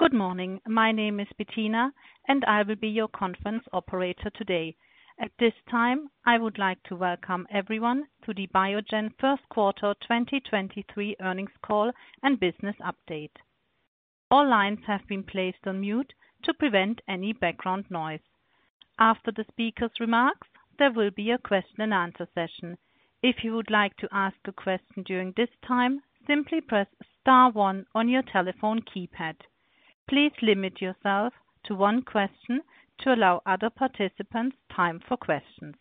Good morning. My name is Bettina, and I will be your conference operator today. At this time, I would like to welcome everyone to the Biogen first quarter 2023 earnings call and business update. All lines have been placed on mute to prevent any background noise. After the speaker's remarks, there will be a question and answer session. If you would like to ask a question during this time, simply press star one on your telephone keypad. Please limit yourself to one question to allow other participants time for questions.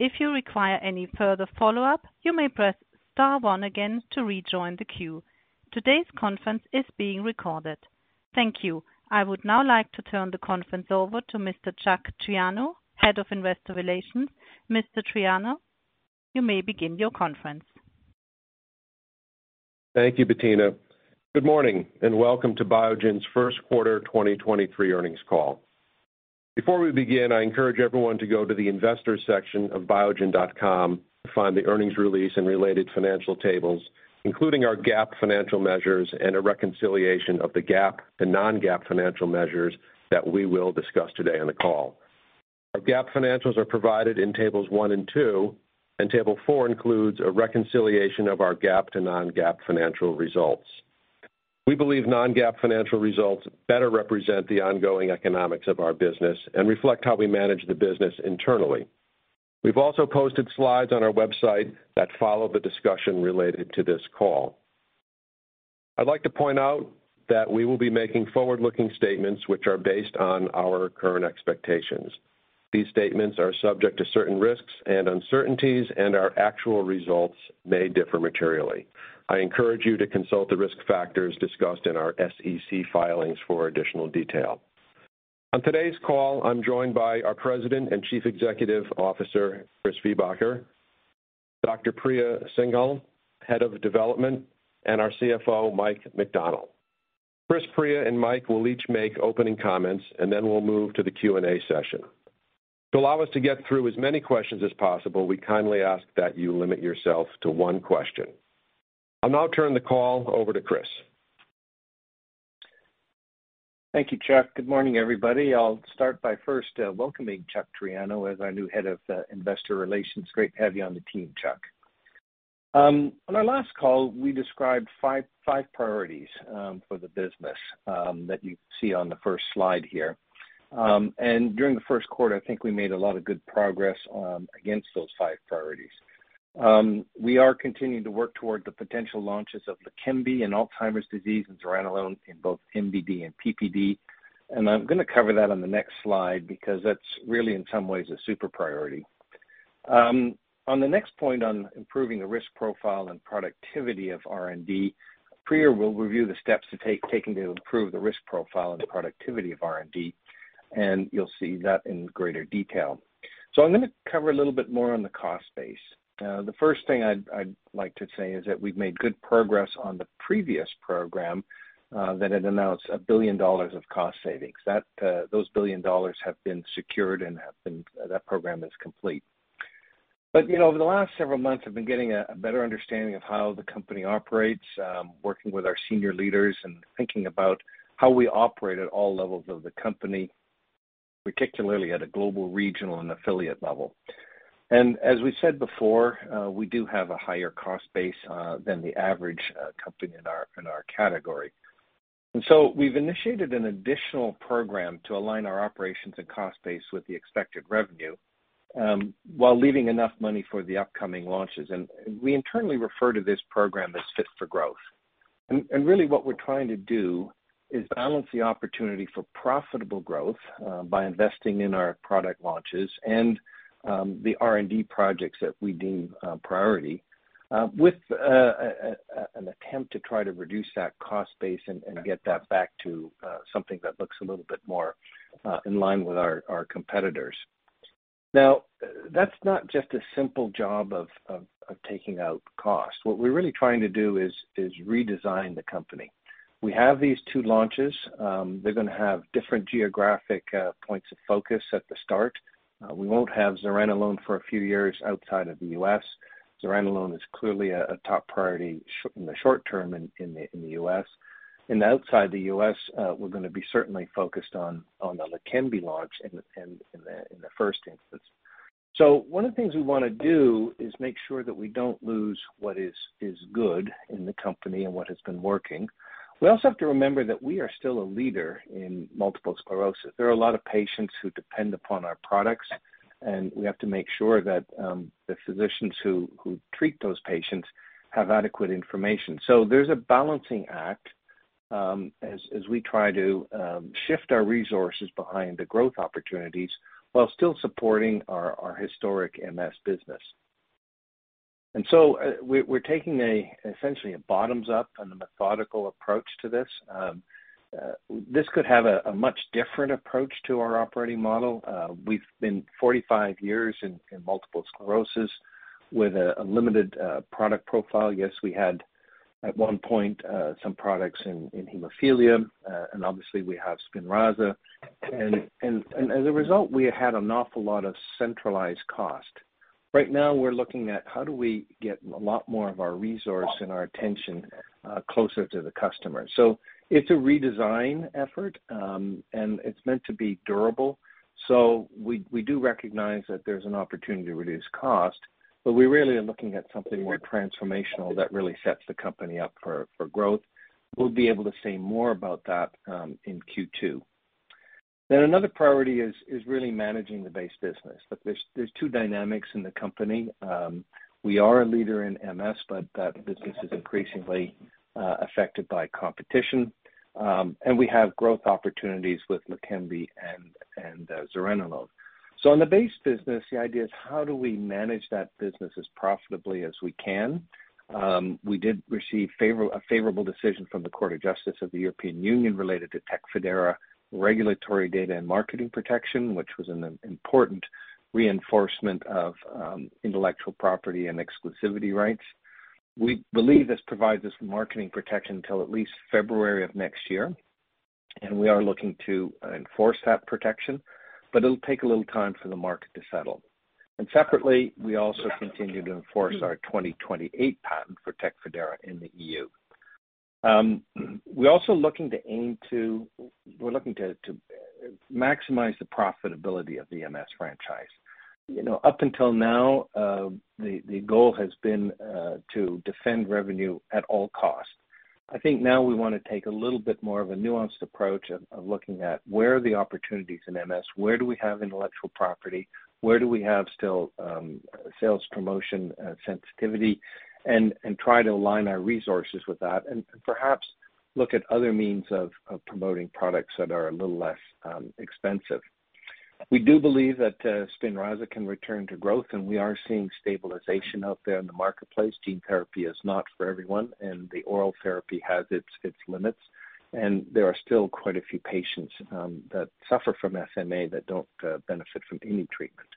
If you require any further follow-up, you may press star one again to rejoin the queue. Today's conference is being recorded. Thank you. I would now like to turn the conference over to Mr. Chuck Triano, Head of Investor Relations. Mr. Triano, you may begin your conference. Thank you, Bettina. Good morning and welcome to Biogen's first quarter 2023 earnings call. Before we begin, I encourage everyone to go to the investor section of biogen.com to find the earnings release and related financial tables, including our GAAP financial measures and a reconciliation of the GAAP to Non-GAAP financial measures that we will discuss today on the call. Our GAAP financials are provided in tables one and two, and table four includes a reconciliation of our GAAP to Non-GAAP financial results. We believe Non-GAAP financial results better represent the ongoing economics of our business and reflect how we manage the business internally. We've also posted slides on our website that follow the discussion related to this call. I'd like to point out that we will be making forward-looking statements which are based on our current expectations. These statements are subject to certain risks and uncertainties, and our actual results may differ materially. I encourage you to consult the risk factors discussed in our SEC filings for additional detail. On today's call, I'm joined by our President and Chief Executive Officer, Chris Viehbacher, Dr. Priya Singhal, Head of Development, and our CFO, Mike McDonnell. Chris, Priya, and Mike will each make opening comments, and then we'll move to the Q&A session. To allow us to get through as many questions as possible, we kindly ask that you limit yourself to one question. I'll now turn the call over to Chris. Thank you, Chuck. Good morning, everybody. I'll start by first welcoming Chuck Triano as our new Head of Investor Relations. Great to have you on the team, Chuck. On our last call, we described five priorities for the business that you see on the first slide here. During the first quarter, I think we made a lot of good progress against those five priorities. We are continuing to work toward the potential launches of Leqembi in Alzheimer's disease and zuranolone in both MDD and PPD. I'm gonna cover that on the next slide because that's really, in some ways, a super priority. On the next point on improving the risk profile and productivity of R&D, Priya will review the steps taking to improve the risk profile and productivity of R&D, and you'll see that in greater detail. I'm gonna cover a little bit more on the cost base. The first thing I'd like to say is that we've made good progress on the previous program that had announced $1 billion of cost savings. Those $1 billion have been secured and that program is complete. You know, over the last several months, I've been getting a better understanding of how the company operates, working with our senior leaders and thinking about how we operate at all levels of the company, particularly at a global, regional, and affiliate level. As we said before, we do have a higher cost base than the average company in our category. We've initiated an additional program to align our operations and cost base with the expected revenue, while leaving enough money for the upcoming launches. We internally refer to this program as Fit for Growth. Really what we're trying to do is balance the opportunity for profitable growth, by investing in our product launches and, the R&D projects that we deem, priority, with an attempt to try to reduce that cost base and get that back to something that looks a little bit more in line with our competitors. That's not just a simple job of taking out costs. What we're really trying to do is redesign the company. We have these two launches. They're gonna have different geographic points of focus at the start. We won't have zuranolone for a few years outside of the U.S. Zuranolone is clearly a top priority in the short term in the U.S. Outside the U.S., we're gonna be certainly focused on the Leqembi launch in the first instance. One of the things we wanna do is make sure that we don't lose what is good in the company and what has been working. We also have to remember that we are still a leader in multiple sclerosis. There are a lot of patients who depend upon our products, and we have to make sure that the physicians who treat those patients have adequate information. There's a balancing act, as we try to shift our resources behind the growth opportunities while still supporting our historic MS business. We're taking essentially a bottoms-up and a methodical approach to this. This could have a much different approach to our operating model. We've been 45 years in multiple sclerosis with a limited product profile. Yes, we had, at one point, some products in hemophilia, and obviously we have Spinraza. As a result, we had an awful lot of centralized cost. Right now we're looking at how do we get a lot more of our resource and our attention closer to the customer. It's a redesign effort, and it's meant to be durable. We do recognize that there's an opportunity to reduce cost, but we really are looking at something more transformational that really sets the company up for growth. We'll be able to say more about that in Q2. Another priority is really managing the base business. There's two dynamics in the company. We are a leader in MS, but that business is increasingly affected by competition. And we have growth opportunities with Leqembi and zuranolone. On the base business, the idea is how do we manage that business as profitably as we can? We did receive a favorable decision from the Court of Justice of the European Union related to Tecfidera regulatory data and marketing protection, which was an important reinforcement of intellectual property and exclusivity rights. We believe this provides us with marketing protection till at least February of next year, and we are looking to enforce that protection, but it'll take a little time for the market to settle. Separately, we also continue to enforce our 2028 patent for Tecfidera in the EU. We're also looking to maximize the profitability of the MS franchise. You know, up until now, the goal has been to defend revenue at all costs. I think now we wanna take a little bit more of a nuanced approach of looking at where are the opportunities in MS, where do we have intellectual property, where do we have still, sales promotion, sensitivity, and try to align our resources with that, and perhaps look at other means of promoting products that are a little less expensive. We do believe that Spinraza can return to growth, and we are seeing stabilization out there in the marketplace. Gene therapy is not for everyone, and the oral therapy has its limits, and there are still quite a few patients that suffer from SMA that don't benefit from any treatment.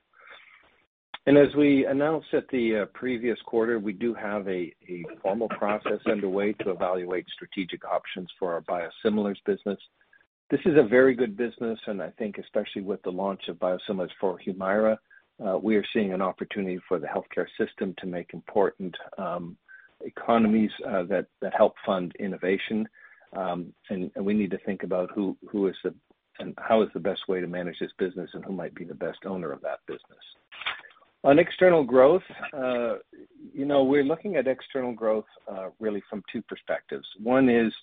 As we announced at the previous quarter, we do have a formal process underway to evaluate strategic options for our biosimilars business. This is a very good business, and I think especially with the launch of biosimilars for Humira, we are seeing an opportunity for the healthcare system to make important economies that help fund innovation. We need to think about how is the best way to manage this business and who might be the best owner of that business. On external growth, you know, we're looking at external growth really from two perspectives. One is,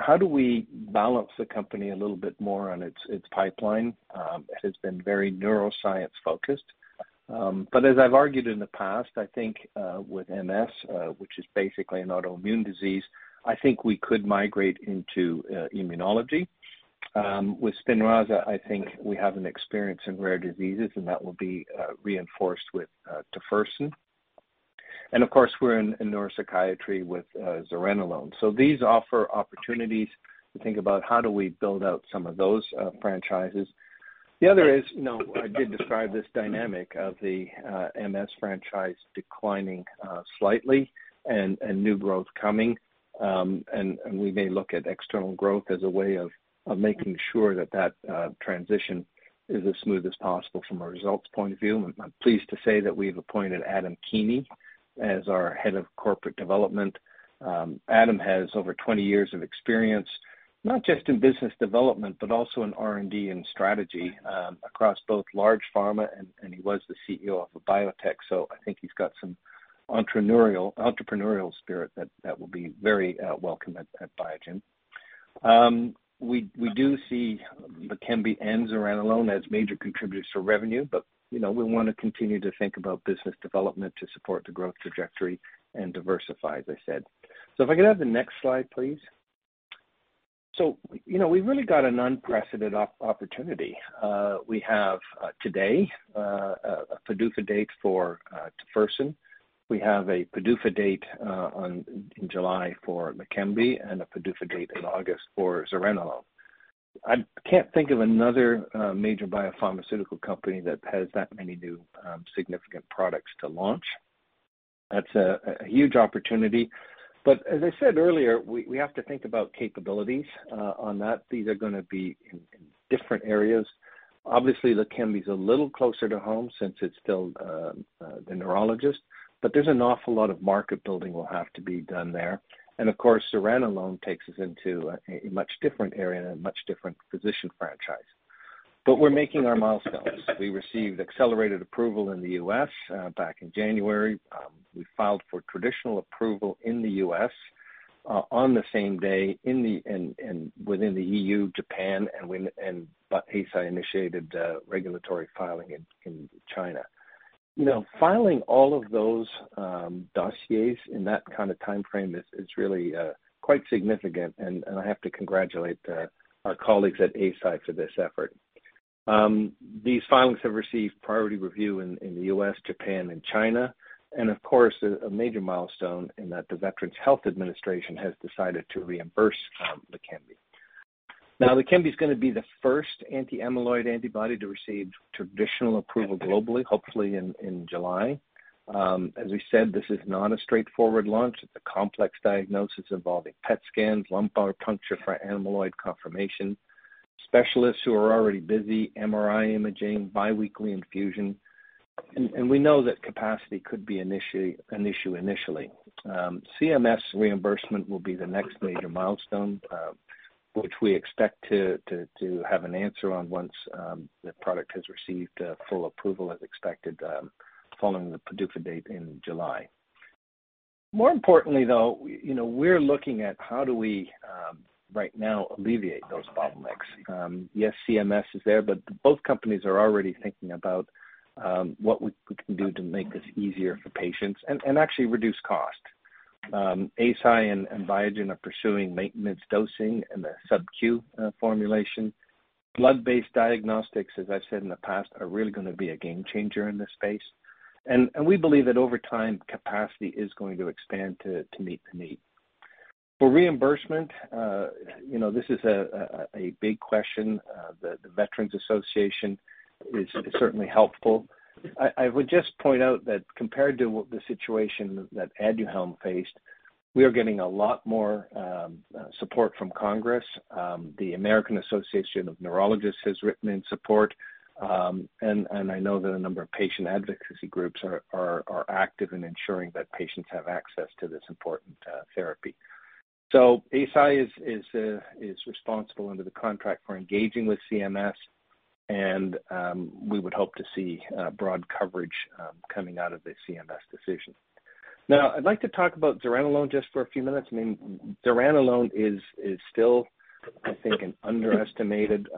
how do we balance the company a little bit more on its pipeline? It has been very neuroscience-focused. As I've argued in the past, I think with MS, which is basically an autoimmune disease, I think we could migrate into immunology. With Spinraza, I think we have an experience in rare diseases, and that will be reinforced with tofersen. Of course, we're in neuropsychiatry with zuranolone. These offer opportunities to think about how do we build out some of those franchises. The other is, you know, I did describe this dynamic of the MS franchise declining slightly and new growth coming. We may look at external growth as a way of making sure that that transition is as smooth as possible from a results point of view. I'm pleased to say that we've appointed Adam Keeney as our head of corporate development. Adam has over 20 years of experience, not just in business development, but also in R&D and strategy, across both large pharma and he was the CEO of a biotech, so I think he's got some entrepreneurial spirit that will be very welcome at Biogen. We do see Leqembi and zuranolone as major contributors to revenue, but you know, we wanna continue to think about business development to support the growth trajectory and diversify, as I said. If I could have the next slide, please. You know, we've really got an unprecedented opportunity. We have today a PDUFA date for tofersen. We have a PDUFA date in July for Leqembi and a PDUFA date in August for zuranolone. I can't think of another major biopharmaceutical company that has that many new significant products to launch. That's a huge opportunity. As I said earlier, we have to think about capabilities on that. These are gonna be in different areas. Obviously, Leqembi's a little closer to home since it's still the neurologist, but there's an awful lot of market building will have to be done there. Of course, zuranolone takes us into a much different area and a much different physician franchise. We're making our milestones. We received accelerated approval in the U.S. back in January. We filed for traditional approval in the U.S. on the same day within the E.U., Japan, Eisai initiated regulatory filing in China. You know, filing all of those dossiers in that kind of timeframe is really quite significant. I have to congratulate our colleagues at Eisai for this effort. These filings have received priority review in the U.S., Japan, and China. Of course, a major milestone in that the Veterans Health Administration has decided to reimburse Leqembi. Now, Leqembi's gonna be the first anti-amyloid antibody to receive traditional approval globally, hopefully in July. As we said, this is not a straightforward launch. It's a complex diagnosis involving PET scans, lumbar puncture for amyloid confirmation. Specialists who are already busy, MRI imaging, biweekly infusion. We know that capacity could be an issue initially. CMS reimbursement will be the next major milestone, which we expect to have an answer on once the product has received full approval as expected, following the PDUFA date in July. More importantly, though, you know, we're looking at how do we right now alleviate those bottlenecks. Yes, CMS is there, but both companies are already thinking about what we can do to make this easier for patients and actually reduce cost. Eisai and Biogen are pursuing maintenance dosing and a subQ formulation. Blood-based diagnostics, as I've said in the past, are really gonna be a game changer in this space. We believe that over time, capacity is going to expand to meet the need. For reimbursement, you know, this is a big question. The Veterans Association is certainly helpful. I would just point out that compared to what the situation that ADUHELM faced, we are getting a lot more support from Congress. The American Academy of Neurology has written in support, and I know that a number of patient advocacy groups are active in ensuring that patients have access to this important therapy. Eisai is responsible under the contract for engaging with CMS, we would hope to see broad coverage coming out of the CMS decision. I'd like to talk about Zuranolone just for a few minutes. I mean, zuranolone is still, I think, an underestimated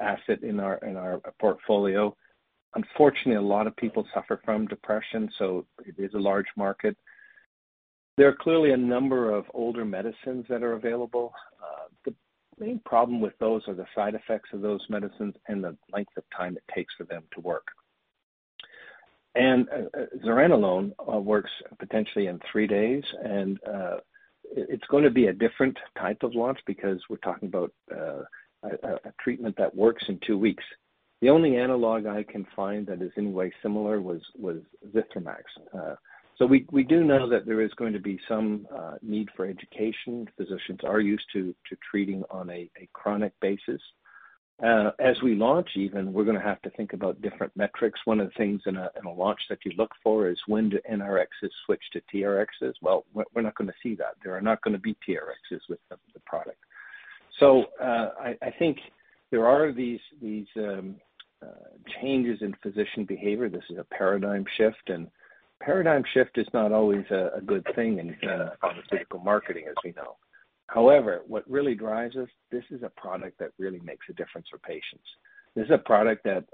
asset in our portfolio. Unfortunately, a lot of people suffer from depression, it is a large market. There are clearly a number of older medicines that are available. The main problem with those are the side effects of those medicines and the length of time it takes for them to work. zuranolone works potentially in three days and it's gonna be a different type of launch because we're talking about a treatment that works in two weeks. The only analog I can find that is in any way similar was Zithromax. We do know that there is going to be some need for education. Physicians are used to treating on a chronic basis. As we launch even, we're gonna have to think about different metrics. One of the things in a launch that you look for is when do NRx switch to TRx. Well, we're not gonna see that. There are not gonna be TRXs with the product. I think there are these changes in physician behavior. This is a paradigm shift, and paradigm shift is not always a good thing in pharmaceutical marketing, as we know. What really drives us, this is a product that really makes a difference for patients. This is a product that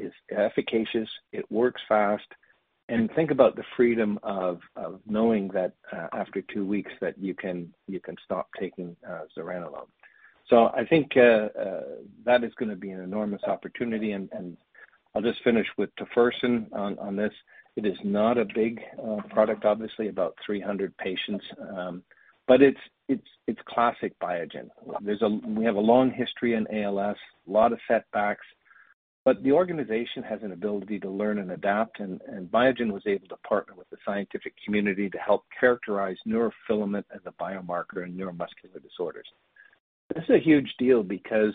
is efficacious. It works fast. Think about the freedom of knowing that after two weeks that you can stop taking zuranolone. I think that is gonna be an enormous opportunity. I'll just finish with tofersen on this. It is not a big product, obviously about 300 patients. But it's classic Biogen. There's a. We have a long history in ALS, a lot of setbacks, but the organization has an ability to learn and adapt and Biogen was able to partner with the scientific community to help characterize neurofilament as a biomarker in neuromuscular disorders. This is a huge deal because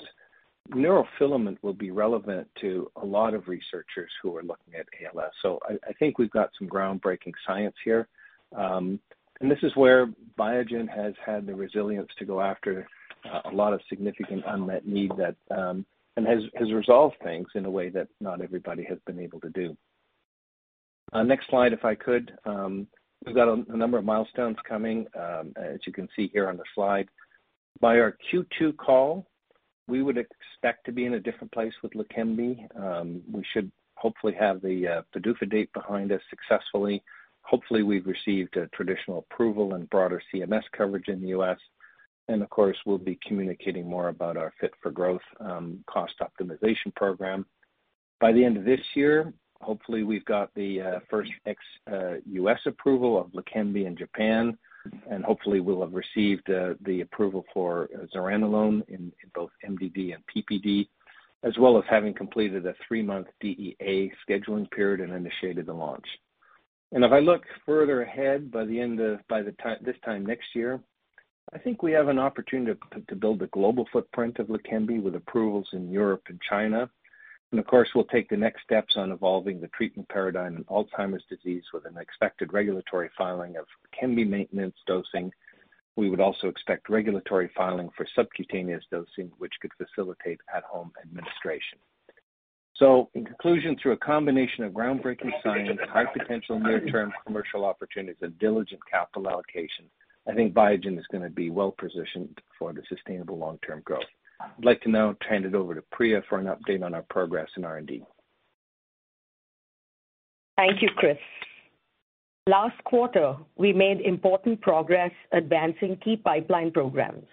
neurofilament will be relevant to a lot of researchers who are looking at ALS. I think we've got some groundbreaking science here. This is where Biogen has had the resilience to go after a lot of significant unmet need that and has resolved things in a way that not everybody has been able to do. Next slide, if I could. We've got a number of milestones coming, as you can see here on the slide. By our Q2 call, we would expect to be in a different place with Leqembi. We should hopefully have the PDUFA date behind us successfully. Hopefully, we've received a traditional approval and broader CMS coverage in the U.S. Of course, we'll be communicating more about our Fit for Growth cost optimization program. By the end of this year, hopefully, we've got the first U.S. approval of Leqembi in Japan, and hopefully we'll have received the approval for zuranolone in both MDD and PPD, as well as having completed a three-month DEA scheduling period and initiated the launch. If I look further ahead, by this time next year, I think we have an opportunity to build the global footprint of Leqembi with approvals in Europe and China. Of course, we'll take the next steps on evolving the treatment paradigm in Alzheimer's disease with an expected regulatory filing of Leqembi maintenance dosing. We would also expect regulatory filing for subcutaneous dosing, which could facilitate at-home administration. In conclusion, through a combination of groundbreaking science, high potential near-term commercial opportunities, and diligent capital allocation, I think Biogen is gonna be well-positioned for the sustainable long-term growth. I'd like to now hand it over to Priya for an update on our progress in R&D. Thank you, Chris. Last quarter, we made important progress advancing key pipeline programs.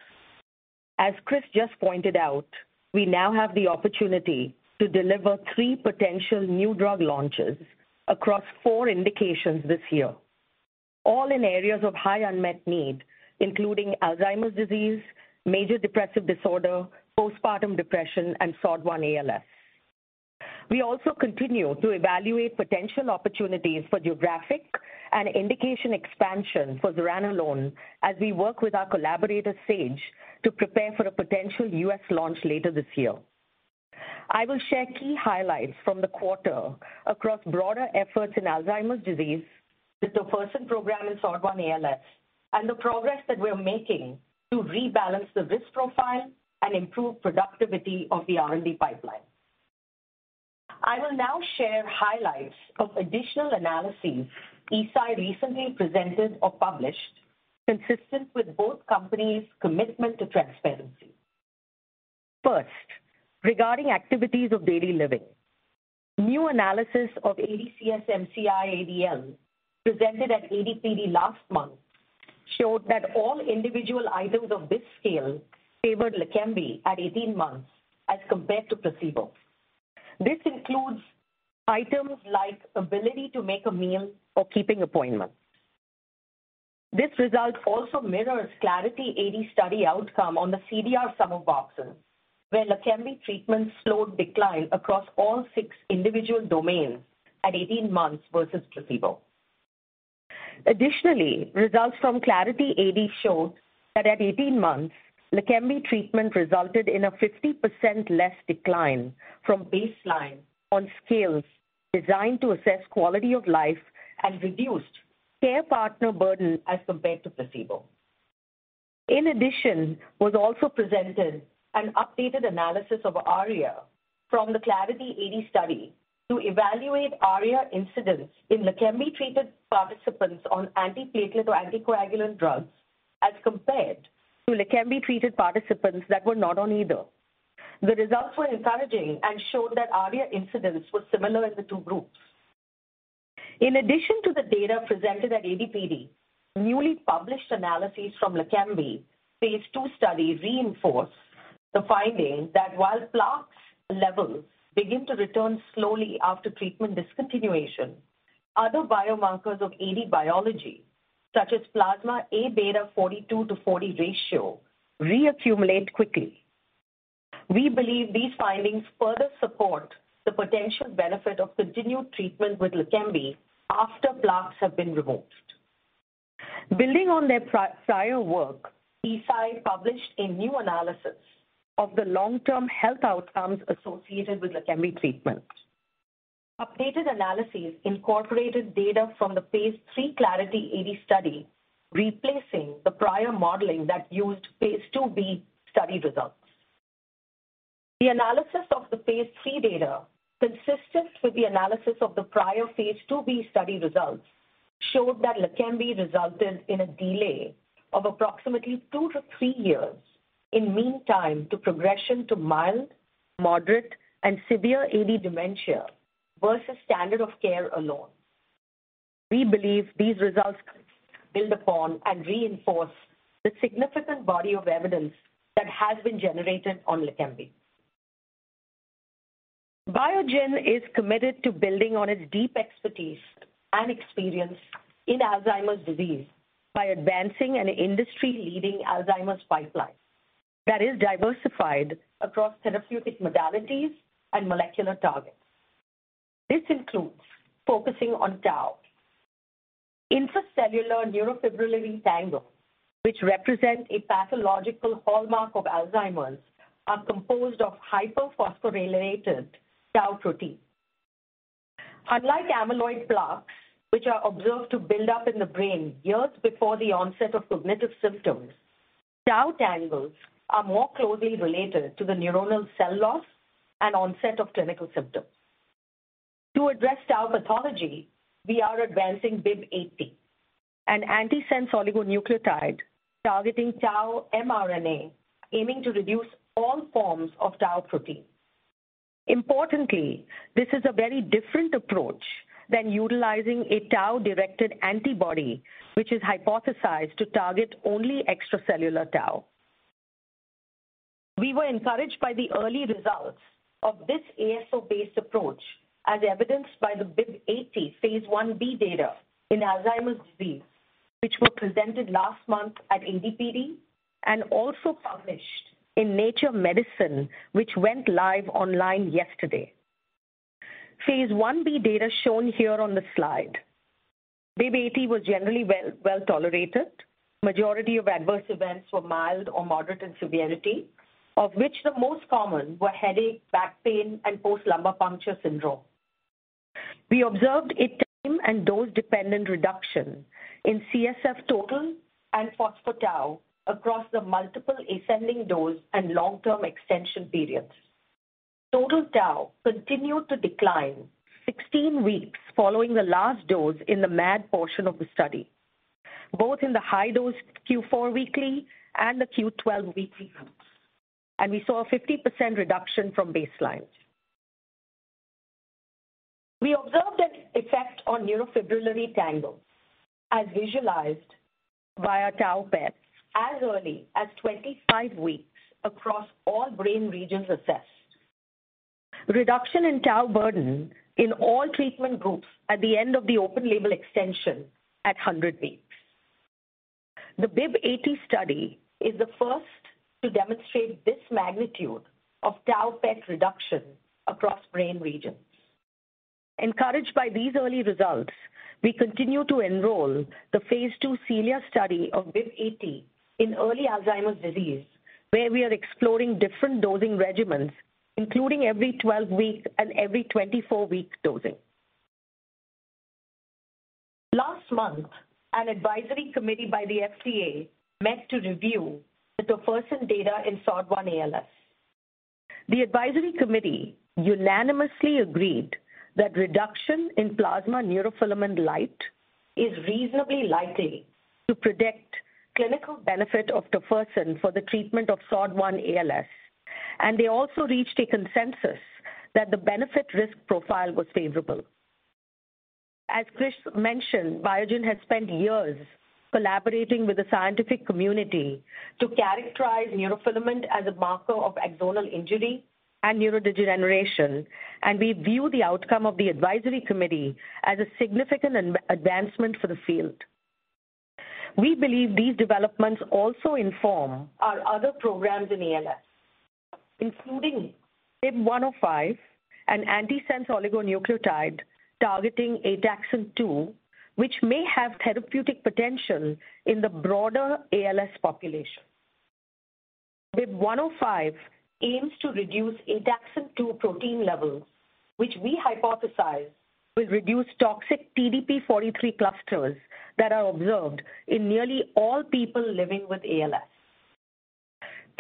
As Chris just pointed out, we now have the opportunity to deliver three potential new drug launches across four indications this year, all in areas of high unmet need, including Alzheimer's disease, Major Depressive Disorder, postpartum depression, and SOD1-ALS. We also continue to evaluate potential opportunities for geographic and indication expansion for zuranolone as we work with our collaborator, Sage, to prepare for a potential U.S. launch later this year. I will share key highlights from the quarter across broader efforts in Alzheimer's disease, the tofersen program in SOD1-ALS, and the progress that we're making to rebalance the risk profile and improve productivity of the R&D pipeline. I will now share highlights of additional analyses Eisai recently presented or published, consistent with both companies' commitment to transparency. First, regarding activities of daily living. New analysis of ADCS-MCI-ADL presented at ADPD last month showed that all individual items of this scale favored Leqembi at 18 months as compared to placebo. This includes items like ability to make a meal or keeping appointments. This result also mirrors Clarity AD study outcome on the CDR-Sum of Boxes, where Leqembi treatment slowed decline across all six individual domains at 18 months versus placebo. Additionally, results from Clarity AD show that at 18 months, Leqembi treatment resulted in a 50% less decline from baseline on scales designed to assess quality of life and reduced care partner burden as compared to placebo. In addition, was also presented an updated analysis of ARIA from the Clarity AD study to evaluate ARIA incidence in Leqembi-treated participants on antiplatelet or anticoagulant drugs as compared to Leqembi-treated participants that were not on either. The results were encouraging and showed that ARIA incidence was similar in the two groups. In addition to the data presented at ADPD, newly published analyses from Leqembi phase II study reinforce the finding that while plaques levels begin to return slowly after treatment discontinuation, other biomarkers of AD biology, such as plasma Abeta 42/40 ratio, reaccumulate quickly. We believe these findings further support the potential benefit of continued treatment with Leqembi after plaques have been removed. Building on their prior work, Eisai published a new analysis of the long-term health outcomes associated with Leqembi treatment. Updated analyses incorporated data from the phase III Clarity AD study, replacing the prior modeling that used phase II b study results. The analysis of the phase III data, consistent with the analysis of the prior phase IIb study results, showed that Leqembi resulted in a delay of approximately two to three years in mean time to progression to mild, moderate, and severe AD dementia versus standard of care alone. We believe these results build upon and reinforce the significant body of evidence that has been generated on Leqembi. Biogen is committed to building on its deep expertise and experience in Alzheimer's disease by advancing an industry-leading Alzheimer's pipeline that is diversified across therapeutic modalities and molecular targets. This includes focusing on tau. Intracellular neurofibrillary tangles, which represent a pathological hallmark of Alzheimer's, are composed of hyperphosphorylated tau protein. Unlike amyloid plaques, which are observed to build up in the brain years before the onset of cognitive symptoms, tau tangles are more closely related to the neuronal cell loss and onset of clinical symptoms. To address tau pathology, we are advancing BIIB080, an antisense oligonucleotide targeting tau mRNA, aiming to reduce all forms of tau protein. Importantly, this is a very different approach than utilizing a tau-directed antibody, which is hypothesized to target only extracellular tau. We were encouraged by the early results of this ASO-based approach, as evidenced by the BIIB080 phase Ib data in Alzheimer's disease, which were presented last month at ADPD and also published in Nature Medicine, which went live online yesterday. phase IB data shown here on the slide. BIIB080 was generally well-tolerated. Majority of adverse events were mild or moderate in severity, of which the most common were headache, back pain, and post-lumbar puncture syndrome. We observed a time- and dose-dependent reduction in CSF total and phospho-tau across the multiple ascending dose and long-term extension periods. Total tau continued to decline 16 weeks following the last dose in the MAD portion of the study, both in the high-dose Q 4 weekly and the Q 12 weekly groups, and we saw a 50% reduction from baseline. We observed an effect on neurofibrillary tangles, as visualized via tau PET, as early as 25 weeks across all brain regions assessed. Reduction in tau burden in all treatment groups at the end of the open label extension at 100 weeks. The BIIB080 study is the first to demonstrate this magnitude of tau PET reduction across brain regions. Encouraged by these early results, we continue to enroll the phase II CELIA study of BIIB080 in early Alzheimer's disease, where we are exploring different dosing regimens, including every 12 weeks and every 24 weeks dosing. Last month, an advisory committee by the FDA met to review the tofersen data in SOD1-ALS. The advisory committee unanimously agreed that reduction in plasma Neurofilament light is reasonably likely to predict clinical benefit of tofersen for the treatment of SOD1-ALS. They also reached a consensus that the benefit risk profile was favorable. As Chris mentioned, Biogen has spent years collaborating with the scientific community to characterize neurofilament as a marker of axonal injury and neurodegeneration. We view the outcome of the advisory committee as a significant advancement for the field. We believe these developments also inform our other programs in ALS, including BIIB105 and antisense oligonucleotide targeting ataxin-2, which may have therapeutic potential in the broader ALS population. BIIB105 aims to reduce ataxin-2 protein levels, which we hypothesize will reduce toxic TDP-43 clusters that are observed in nearly all people living with ALS.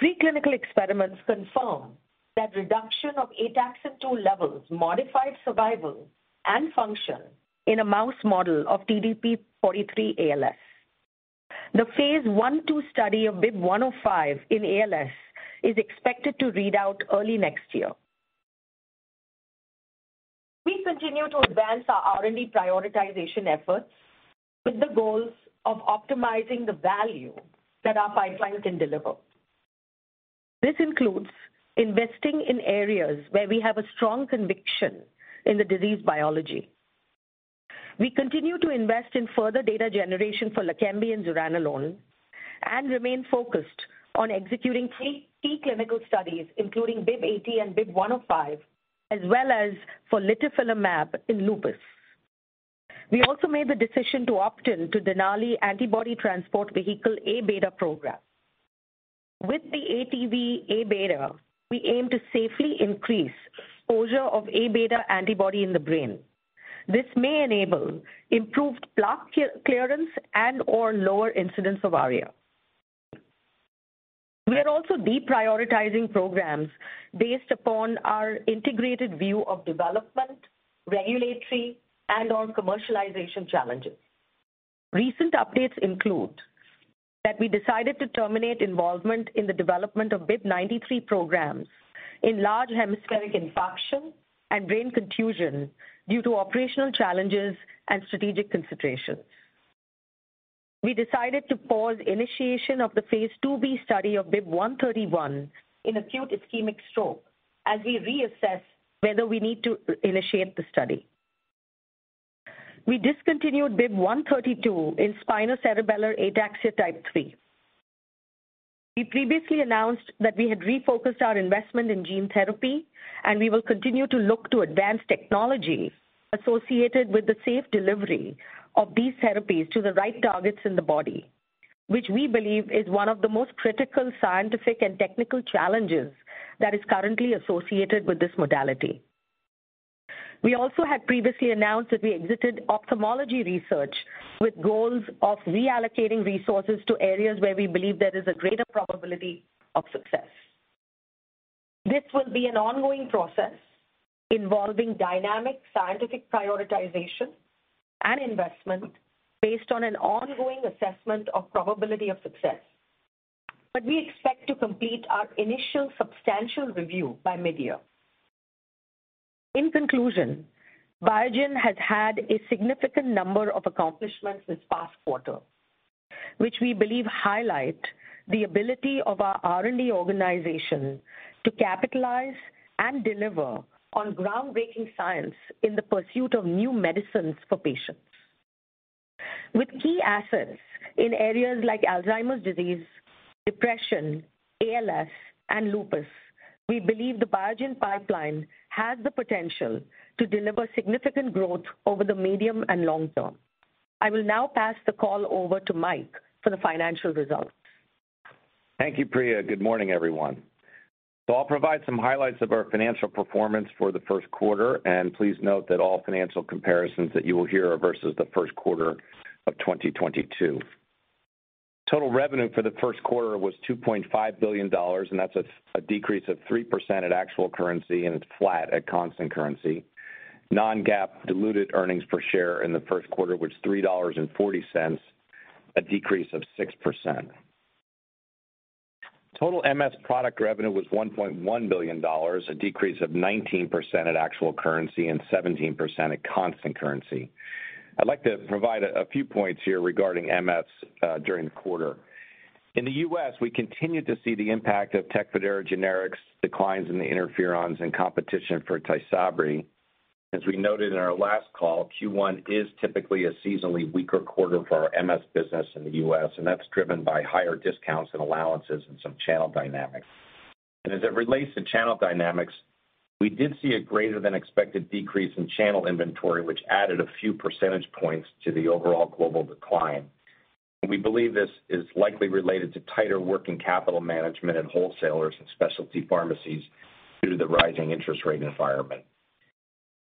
Preclinical experiments confirm that reduction of ataxin-2 levels modified survival and function in a mouse model of TDP-43 ALS. The phase I-phase II study of BIIB105 in ALS is expected to read out early next year. We continue to advance our R&D prioritization efforts with the goals of optimizing the value that our pipeline can deliver. This includes investing in areas where we have a strong conviction in the disease biology. We continue to invest in further data generation for Leqembi and zuranolone, and remain focused on executing three key clinical studies, including BIIB080 and BIIB105, as well as for litifilimab in lupus. We also made the decision to opt in to Denali Antibody Transport Vehicle-Abeta program. With the ATV-Abeta, we aim to safely increase exposure of Abeta antibody in the brain. This may enable improved plaque clearance and/or lower incidence of ARIA. We are also deprioritizing programs based upon our integrated view of development, regulatory, and on commercialization challenges. Recent updates include that we decided to terminate involvement in the development of BIIB093 programs in large hemispheric infarction and brain contusion due to operational challenges and strategic considerations. We decided to pause initiation of the phase IIb study of BIIB131 in acute ischemic stroke as we reassess whether we need to initiate the study. We discontinued BIIB132 in spinocerebellar ataxia type 3. We previously announced that we had refocused our investment in gene therapy. We will continue to look to advanced technology associated with the safe delivery of these therapies to the right targets in the body, which we believe is one of the most critical scientific and technical challenges that is currently associated with this modality. We also had previously announced that we exited ophthalmology research with goals of reallocating resources to areas where we believe there is a greater probability of success. This will be an ongoing process involving dynamic scientific prioritization and investment based on an ongoing assessment of probability of success. We expect to complete our initial substantial review by mid-year. In conclusion, Biogen has had a significant number of accomplishments this past quarter, which we believe highlight the ability of our R&D organization to capitalize and deliver on groundbreaking science in the pursuit of new medicines for patients. With key assets in areas like Alzheimer's disease, depression, ALS, and lupus, we believe the Biogen pipeline has the potential to deliver significant growth over the medium and long term. I will now pass the call over to Mike for the financial results. Thank you, Priya. Good morning, everyone. I'll provide some highlights of our financial performance for the first quarter. Please note that all financial comparisons that you will hear are versus the first quarter of 2022. Total revenue for the first quarter was $2.5 billion, and that's a decrease of 3% at actual currency and it's flat at constant currency. Non-GAAP diluted earnings per share in the first quarter was $3.40, a decrease of 6%. Total MS product revenue was $1.1 billion, a decrease of 19% at actual currency and 17% at constant currency. I'd like to provide a few points here regarding MS during the quarter. In the U.S., we continued to see the impact of Tecfidera generics, declines in the interferons, and competition for TYSABRI. As we noted in our last call, Q1 is typically a seasonally weaker quarter for our MS business in the U.S., that's driven by higher discounts and allowances and some channel dynamics. As it relates to channel dynamics, we did see a greater than expected decrease in channel inventory, which added a few percentage points to the overall global decline. We believe this is likely related to tighter working capital management and wholesalers and specialty pharmacies due to the rising interest rate environment.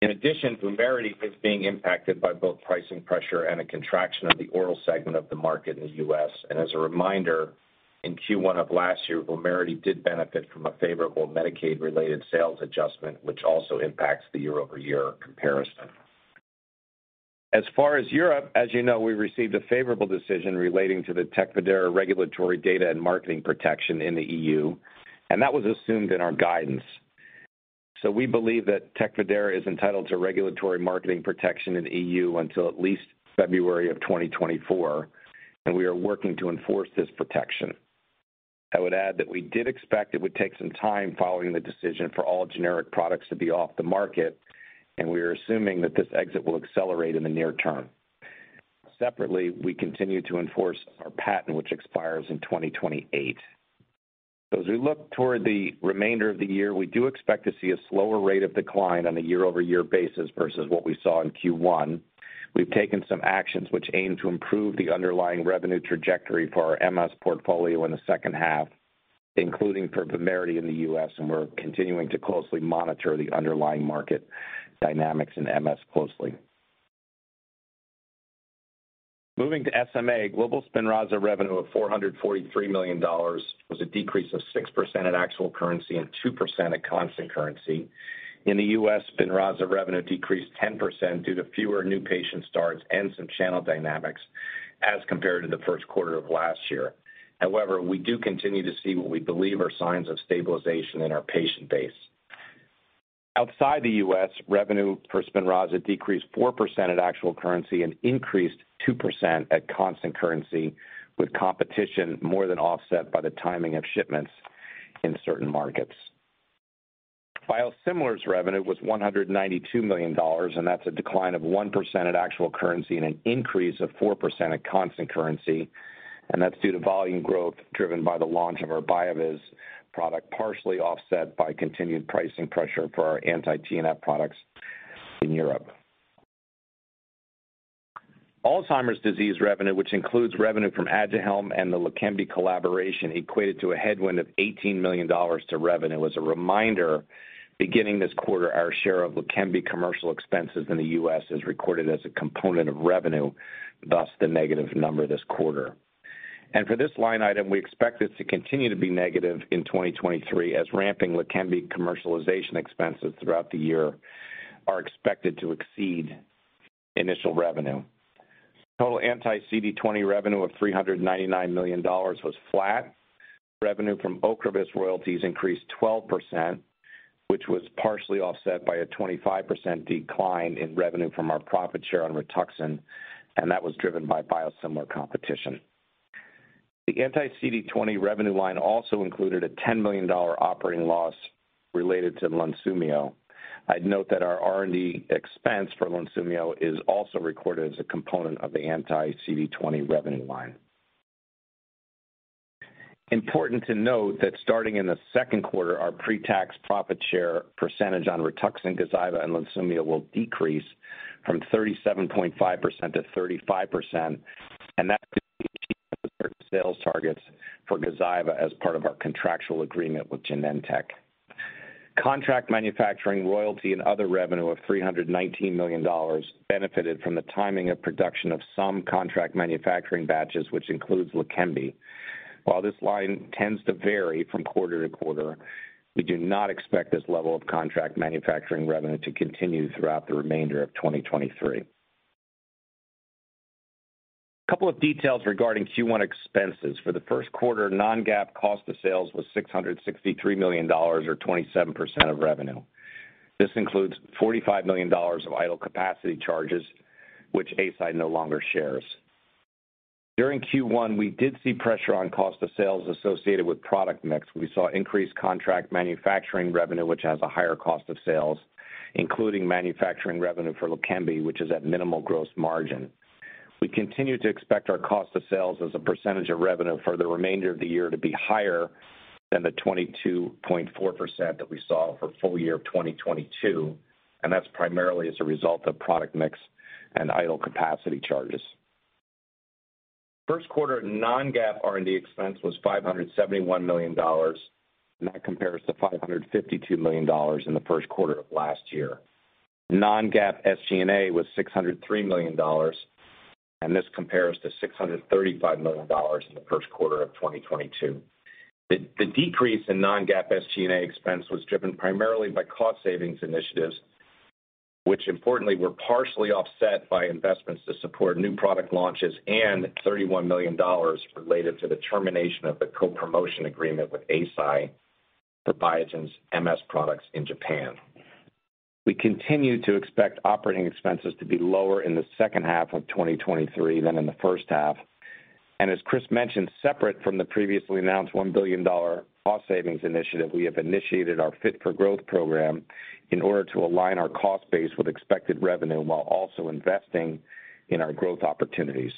In addition, VUMERITY is being impacted by both pricing pressure and a contraction of the oral segment of the market in the U.S. As a reminder, in Q1 of last year, VUMERITY did benefit from a favorable Medicaid-related sales adjustment, which also impacts the year-over-year comparison. As far as Europe, as you know, we received a favorable decision relating to the Tecfidera regulatory data and marketing protection in the EU. That was assumed in our guidance. We believe that Tecfidera is entitled to regulatory marketing protection in the EU until at least February of 2024, and we are working to enforce this protection. I would add that we did expect it would take some time following the decision for all generic products to be off the market, and we are assuming that this exit will accelerate in the near term. Separately, we continue to enforce our patent, which expires in 2028. As we look toward the remainder of the year, we do expect to see a slower rate of decline on a year-over-year basis versus what we saw in Q1. We've taken some actions which aim to improve the underlying revenue trajectory for our MS portfolio in the second half, including for VUMERITY in the U.S., and we're continuing to closely monitor the underlying market dynamics in MS closely. Moving to SMA, global SPINRAZA revenue of $443 million was a decrease of 6% in actual currency and 2% at constant currency. In the U.S., SPINRAZA revenue decreased 10% due to fewer new patient starts and some channel dynamics as compared to the first quarter of last year. However, we do continue to see what we believe are signs of stabilization in our patient base. Outside the U.S., revenue for SPINRAZA decreased 4% at actual currency and increased 2% at constant currency, with competition more than offset by the timing of shipments in certain markets. Biosimilars revenue was $192 million, that's a decline of 1% at actual currency and an increase of 4% at constant currency, that's due to volume growth driven by the launch of our BYOOVIZ product, partially offset by continued pricing pressure for our anti-TNF products in Europe. Alzheimer's disease revenue, which includes revenue from ADUHELM and the Leqembi collaboration, equated to a headwind of $18 million to revenue. As a reminder, beginning this quarter, our share of Leqembi commercial expenses in the U.S. is recorded as a component of revenue, thus the negative number this quarter. For this line item, we expect this to continue to be negative in 2023 as ramping Leqembi commercialization expenses throughout the year are expected to exceed initial revenue. Total anti-CD20 revenue of $399 million was flat. Revenue from OCREVUS royalties increased 12%, which was partially offset by a 25% decline in revenue from our profit share on Rituxan, and that was driven by biosimilar competition. The anti-CD20 revenue line also included a $10 million operating loss related to LUNSUMIO. I'd note that our R&D expense for LUNSUMIO is also recorded as a component of the anti-CD20 revenue line. Important to note that starting in the second quarter, our pre-tax profit share percentage on Rituxan, GAZYVA, and LUNSUMIO will decrease from 37.5%-35%, and that's to achieve certain sales targets for GAZYVA as part of our contractual agreement with Genentech. Contract manufacturing, royalty, and other revenue of $319 million benefited from the timing of production of some contract manufacturing batches, which includes Leqembi. While this line tends to vary from quarter to quarter, we do not expect this level of contract manufacturing revenue to continue throughout the remainder of 2023. Couple of details regarding Q1 expenses. For the first quarter, Non-GAAP cost of sales was $663 million, or 27% of revenue. This includes $45 million of idle capacity charges, which Eisai no longer shares. During Q1, we did see pressure on cost of sales associated with product mix. We saw increased contract manufacturing revenue, which has a higher cost of sales, including manufacturing revenue for Leqembi, which is at minimal gross margin. We continue to expect our cost of sales as a percentage of revenue for the remainder of the year to be higher than the 22.4% that we saw for full year of 2022, and that's primarily as a result of product mix and idle capacity charges. First quarter Non-GAAP R&D expense was $571 million, and that compares to $552 million in the first quarter of last year. Non-GAAP SG&A was $603 million, and this compares to $635 million in the first quarter of 2022. The decrease in Non-GAAP SG&A expense was driven primarily by cost savings initiatives, which importantly were partially offset by investments to support new product launches and $31 million related to the termination of the co-promotion agreement with Eisai for Biogen's MS products in Japan. We continue to expect operating expenses to be lower in the second half of 2023 than in the first half. As Chris mentioned, separate from the previously announced $1 billion cost savings initiative, we have initiated our Fit for Growth program in order to align our cost base with expected revenue while also investing in our growth opportunities.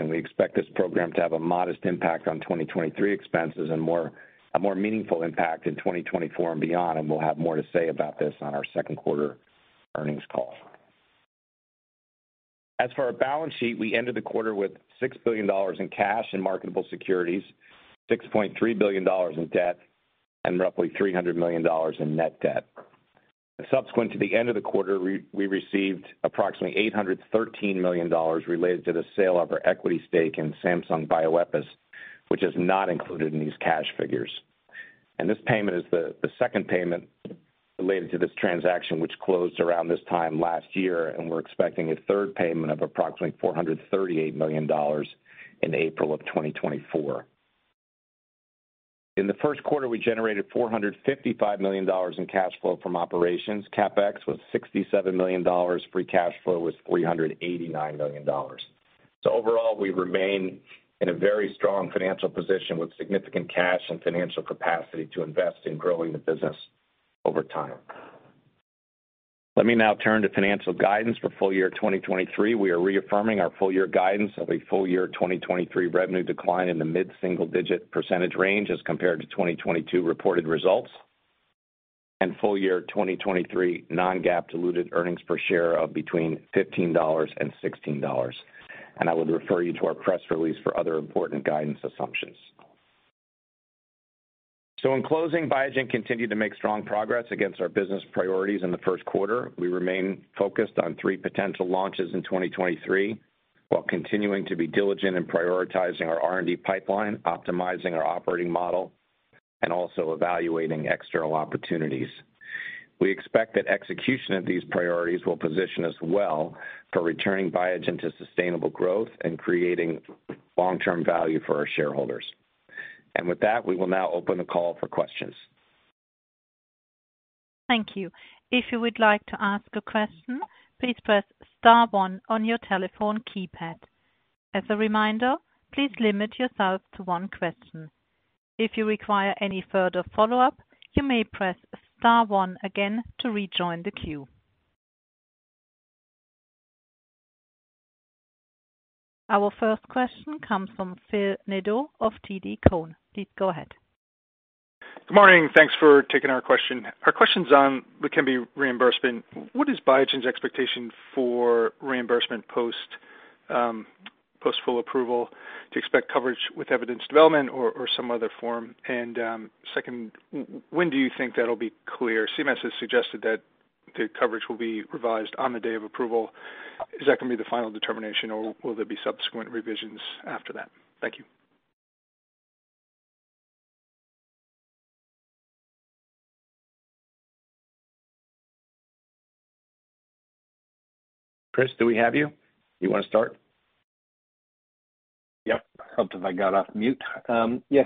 We expect this program to have a modest impact on 2023 expenses, a more meaningful impact in 2024 and beyond. We'll have more to say about this on our second quarter earnings call. As for our balance sheet, we ended the quarter with $6 billion in cash and marketable securities, $6.3 billion in debt, and roughly $300 million in net debt. Subsequent to the end of the quarter, we received approximately $813 million related to the sale of our equity stake in Samsung Bioepis, which is not included in these cash figures. This payment is the second payment related to this transaction, which closed around this time last year, and we're expecting a third payment of approximately $438 million in April of 2024. In the first quarter, we generated $455 million in cash flow from operations. CapEx was $67 million. Free cash flow was $389 million. Overall, we remain in a very strong financial position with significant cash and financial capacity to invest in growing the business over time. Let me now turn to financial guidance for full year 2023. We are reaffirming our full year guidance of a full year 2023 revenue decline in the mid-single-digit % range as compared to 2022 reported results and full year 2023 Non-GAAP diluted earnings per share of between $15 and $16. I would refer you to our press release for other important guidance assumptions. In closing, Biogen continued to make strong progress against our business priorities in the first quarter. We remain focused on three potential launches in 2023, while continuing to be diligent in prioritizing our R&D pipeline, optimizing our operating model, and also evaluating external opportunities. We expect that execution of these priorities will position us well for returning Biogen to sustainable growth and creating long-term value for our shareholders. With that, we will now open the call for questions. Thank you. If you would like to ask a question, please press star one on your telephone keypad. As a reminder, please limit yourself to one question. If you require any further follow-up, you may press star one again to rejoin the queue. Our first question comes from Phil Nadeau of TD Cowen. Please go ahead. Good morning. Thanks for taking our question. Our question's on Leqembi reimbursement. What is Biogen's expectation for reimbursement post-full approval to expect coverage with evidence development or some other form? Second, when do you think that'll be clear? CMS has suggested that the coverage will be revised on the day of approval. Is that gonna be the final determination, or will there be subsequent revisions after that? Thank you. Chris, do we have you? You wanna start? Hope that I got off mute.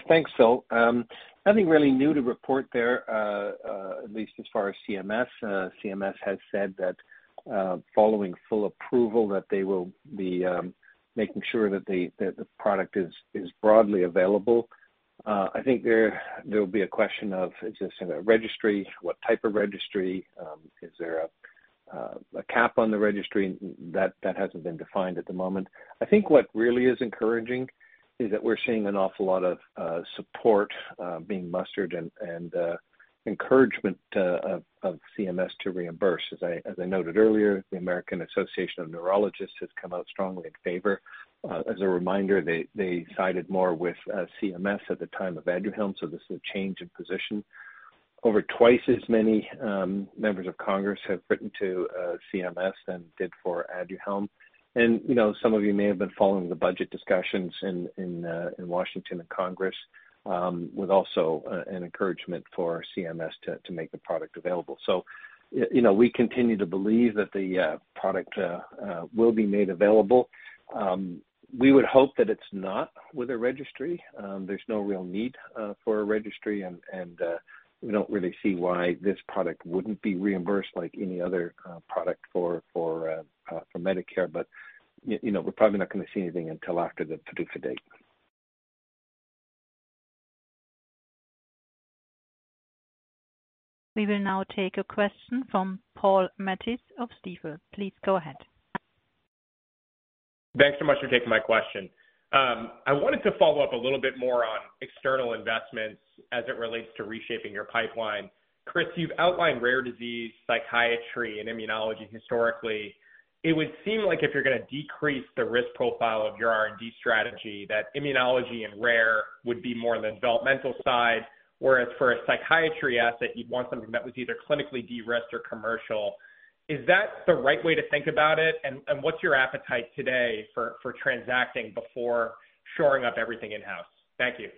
Thanks, Phil. Nothing really new to report there, at least as far as CMS. CMS has said that following full approval, that they will be making sure that the product is broadly available. There will be a question of is this in a registry? What type of registry? Is there a cap on the registry? That hasn't been defined at the moment. What really is encouraging is that we're seeing an awful lot of support being mustered and encouragement of CMS to reimburse. As I noted earlier, the American Academy of Neurology has come out strongly in favor. As a reminder, they sided more with CMS at the time of Aduhelm, this is a change in position. Over twice as many members of Congress have written to CMS than did for Aduhelm. You know, some of you may have been following the budget discussions in Washington and Congress, with also an encouragement for CMS to make the product available. You know, we continue to believe that the product will be made available. We would hope that it's not with a registry. There's no real need for a registry and we don't really see why this product wouldn't be reimbursed like any other product for Medicare. You know, we're probably not gonna see anything until after the PDUFA date. We will now take a question from Paul Matteis of Stifel. Please go ahead. Thanks so much for taking my question. I wanted to follow up a little bit more on external investments as it relates to reshaping your pipeline. Chris, you've outlined rare disease, psychiatry and immunology historically. It would seem like if you're gonna decrease the risk profile of your R&D strategy, that immunology and rare would be more the developmental side, whereas for a psychiatry asset, you'd want something that was either clinically de-risked or commercial. Is that the right way to think about it? What's your appetite today for transacting before shoring up everything in-house? Thank you.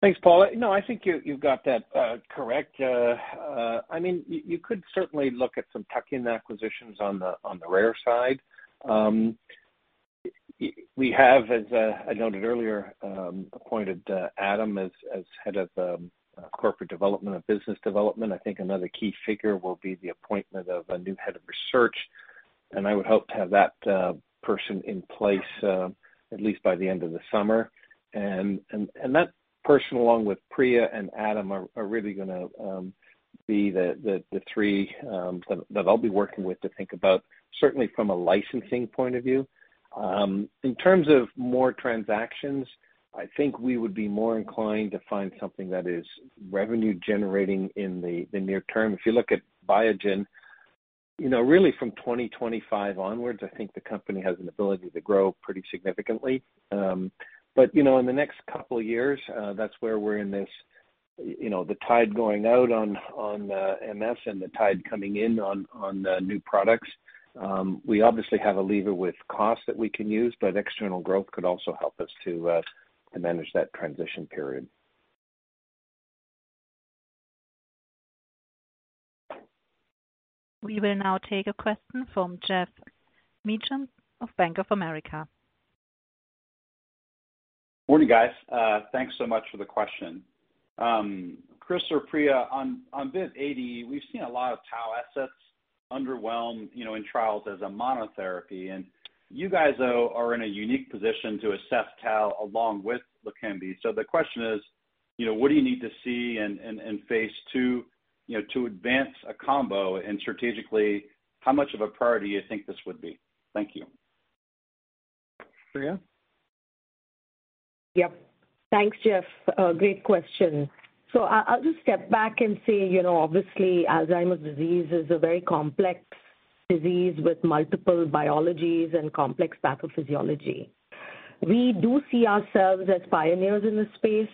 Thanks, Paul. I think you've got that correct. I mean, you could certainly look at some tuck-in acquisitions on the rare side. We have, as I noted earlier, appointed Adam as Head of Corporate Development of Business Development. I think another key figure will be the appointment of a new Head of Research, and I would hope to have that person in place at least by the end of the summer. That person, along with Priya and Adam, are really gonna be the three that I'll be working with to think about certainly from a licensing point of view. In terms of more transactions, I think we would be more inclined to find something that is revenue generating in the near term. If you look at Biogen, you know, really from 2025 onwards, I think the company has an ability to grow pretty significantly. You know, in the next couple of years, that's where we're in this, you know, the tide going out on MS and the tide coming in on new products. We obviously have a lever with cost that we can use, but external growth could also help us to manage that transition period. We will now take a question from Geoff Meacham of Bank of America. Morning, guys. Thanks so much for the question. Chris or Priya, on BIIB080, we've seen a lot of tau assets underwhelm, you know, in trials as a monotherapy. You guys, though, are in a unique position to assess tau along with Leqembi. The question is, you know, what do you need to see in phase II, you know, to advance a combo? Strategically, how much of a priority you think this would be? Thank you. Priya? Yep. Thanks, Geoff. A great question. I'll just step back and say, you know, obviously Alzheimer's disease is a very complex disease with multiple biologies and complex pathophysiology. We do see ourselves as pioneers in this space,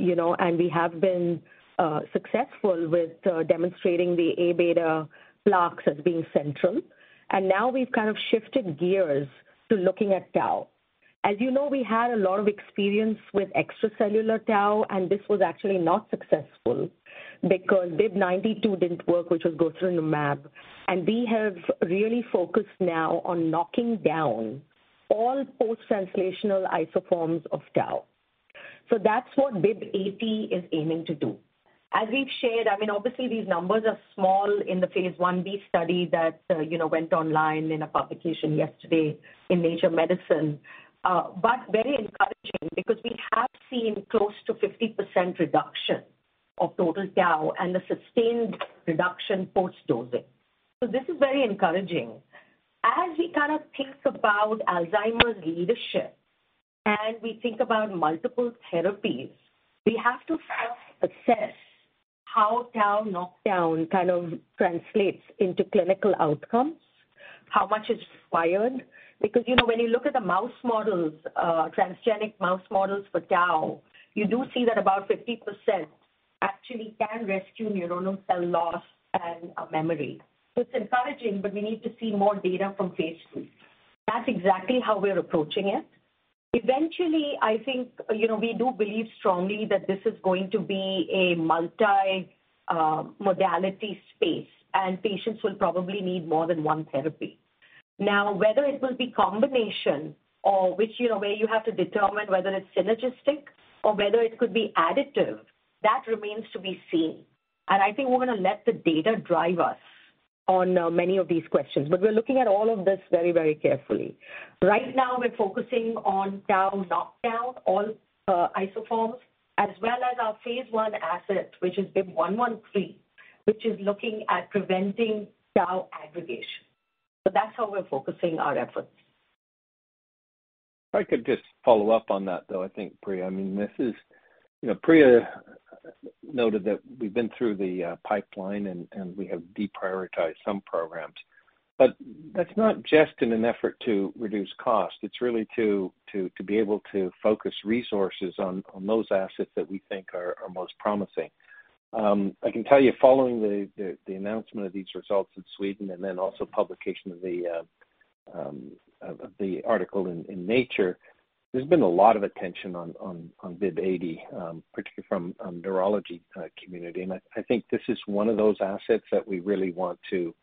you know, and we have been successful with demonstrating the Abeta plaques as being central. Now we've kind of shifted gears to looking at tau. As you know, we had a lot of experience with extracellular tau. This was actually not successful because BIIB092 didn't work, which was gosuranemab. We have really focused now on knocking down all post-translational isoforms of tau. That's what BIIB080 is aiming to do. As we've shared, I mean, obviously these numbers are small in the phase Ib study that, you know, went online in a publication yesterday in Nature Medicine, but very encouraging because we have seen close to 50% reduction of total tau and a sustained reduction post-dosing. This is very encouraging. As we kind of think about Alzheimer's leadership and we think about multiple therapies, we have to first assess how tau knockdown kind of translates into clinical outcomes, how much is required. You know, when you look at the mouse models, transgenic mouse models for tau, you do see that about 50% actually can rescue neuronal cell loss and memory. It's encouraging, but we need to see more data from phase II. That's exactly how we're approaching it. Eventually, I think, you know, we do believe strongly that this is going to be a multi modality space, and patients will probably need more than one therapy. Whether it will be combination or which, you know, where you have to determine whether it's synergistic or whether it could be additive, that remains to be seen. I think we're gonna let the data drive us on many of these questions. We're looking at all of this very, very carefully. Right now, we're focusing on tau knockdown, all isoforms, as well as our phase I asset, which is BIIB113, which is looking at preventing tau aggregation. That's how we're focusing our efforts. If I could just follow up on that, I think, Priya. I mean, you know, Priya noted that we've been through the pipeline and we have deprioritized some programs. That's not just in an effort to reduce cost. It's really to be able to focus resources on those assets that we think are most promising. I can tell you following the announcement of these results in Sweden and then also publication of the article in Nature, there's been a lot of attention on BIIB080, particularly from neurology community. I think this is one of those assets that we really want to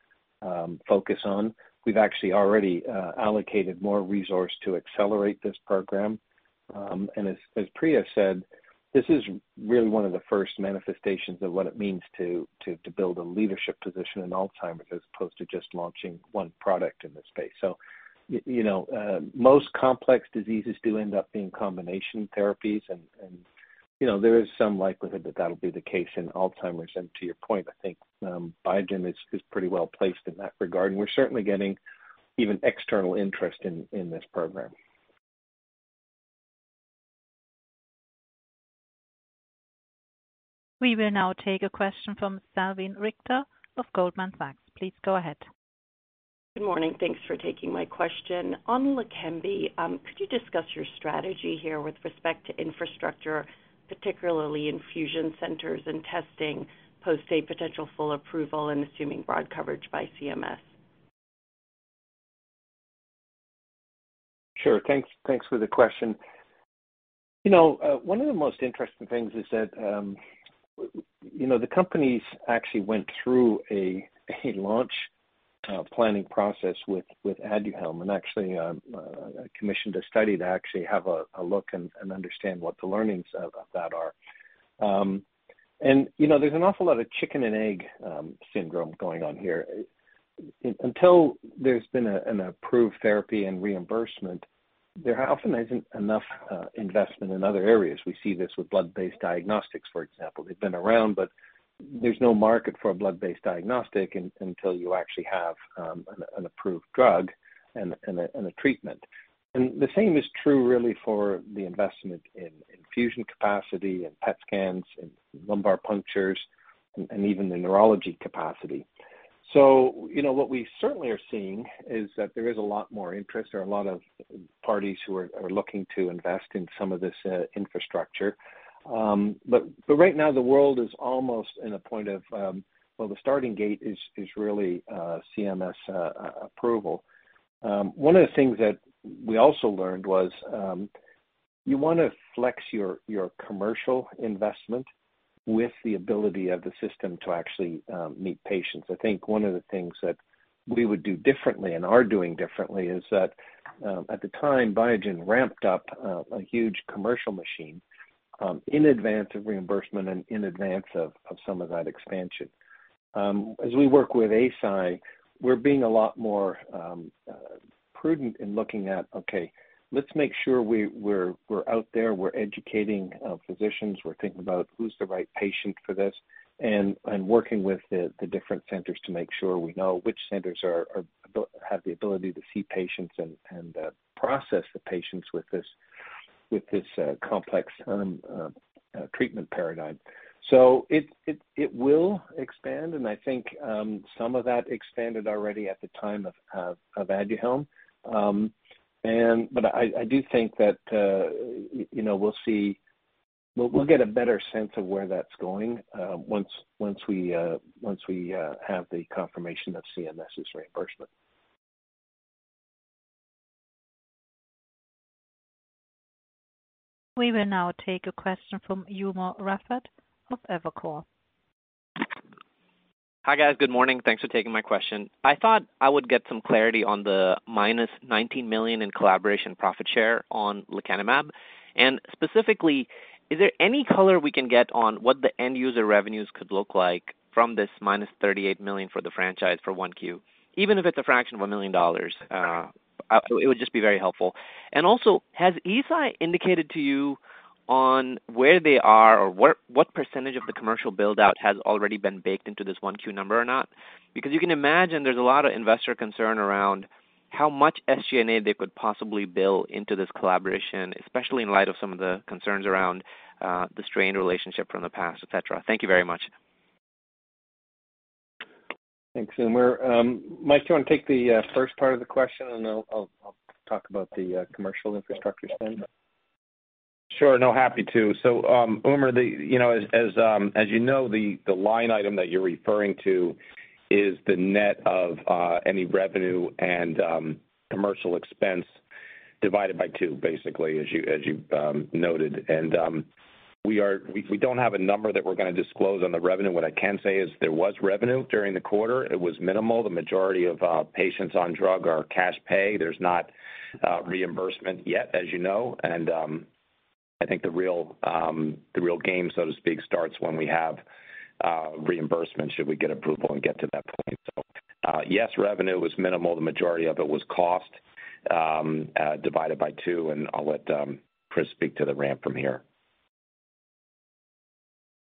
focus on. We've actually already allocated more resource to accelerate this program. As Priya said, this is really one of the first manifestations of what it means to build a leadership position in Alzheimer's as opposed to just launching one product in this space. You know, most complex diseases do end up being combination therapies and, you know, there is some likelihood that that'll be the case in Alzheimer's. To your point, I think, Biogen is pretty well placed in that regard, and we're certainly getting even external interest in this program. We will now take a question from Salveen Richter of Goldman Sachs. Please go ahead. Good morning. Thanks for taking my question. On Leqembi, could you discuss your strategy here with respect to infrastructure, particularly infusion centers and testing post a potential full approval and assuming broad coverage by CMS? Sure. Thanks for the question. You know, one of the most interesting things is that, you know, the companies actually went through a launch planning process with Aduhelm and actually commissioned a study to actually have a look and understand what the learnings of that are. You know, there's an awful lot of chicken and egg syndrome going on here. Until there's been an approved therapy and reimbursement, there often isn't enough investment in other areas. We see this with blood-based diagnostics, for example. They've been around, but there's no market for a blood-based diagnostic until you actually have an approved drug and a treatment. The same is true really for the investment in infusion capacity and PET scans and lumbar punctures and even the neurology capacity. You know, what we certainly are seeing is that there is a lot more interest. There are a lot of parties who are looking to invest in some of this infrastructure. Right now the world is almost in a point of, well, the starting gate is really CMS approval. One of the things that we also learned was, you wanna flex your commercial investment with the ability of the system to actually meet patients. I think one of the things that we would do differently and are doing differently is that at the time Biogen ramped up a huge commercial machine in advance of reimbursement and in advance of some of that expansion. As we work with Eisai, we're being a lot more prudent in looking at, okay, let's make sure we're out there, we're educating physicians, we're thinking about who's the right patient for this, and working with the different centers to make sure we know which centers have the ability to see patients and process the patients with this, with this complex treatment paradigm. It will expand, and I think some of that expanded already at the time of Aduhelm. I do think that, you know, we'll see. We'll get a better sense of where that's going, once we have the confirmation of CMS's reimbursement. We will now take a question from Umer Raffat of Evercore. Hi, guys. Good morning. Thanks for taking my question. I thought I would get some clarity on the -$19 million in collaboration profit share on Lecanemab. Specifically, is there any color we can get on what the end user revenues could look like from this -$38 million for the franchise for 1Q? Even if it's a fraction of a million dollars, it would just be very helpful. Also, has Eisai indicated to you on where they are or what percentage of the commercial build-out has already been baked into this 1Q number or not? You can imagine there's a lot of investor concern around how much SG&A they could possibly bill into this collaboration, especially in light of some of the concerns around the strained relationship from the past, et cetera. Thank you very much. Thanks, Umar. Mike, do you want to take the first part of the question, and I'll talk about the commercial infrastructure spend? Sure. No, happy to. Umer, you know, as you know, the line item that you're referring to is the net of any revenue and commercial expense divided by two, basically, as you noted. We don't have a number that we're gonna disclose on the revenue. What I can say is there was revenue during the quarter. It was minimal. The majority of patients on drug are cash pay. There's not reimbursement yet, as you know. I think the real, the real game, so to speak, starts when we have reimbursement, should we get approval and get to that point. Yes, revenue was minimal. The majority of it was cost divided by two, and I'll let Chris speak to the ramp from here.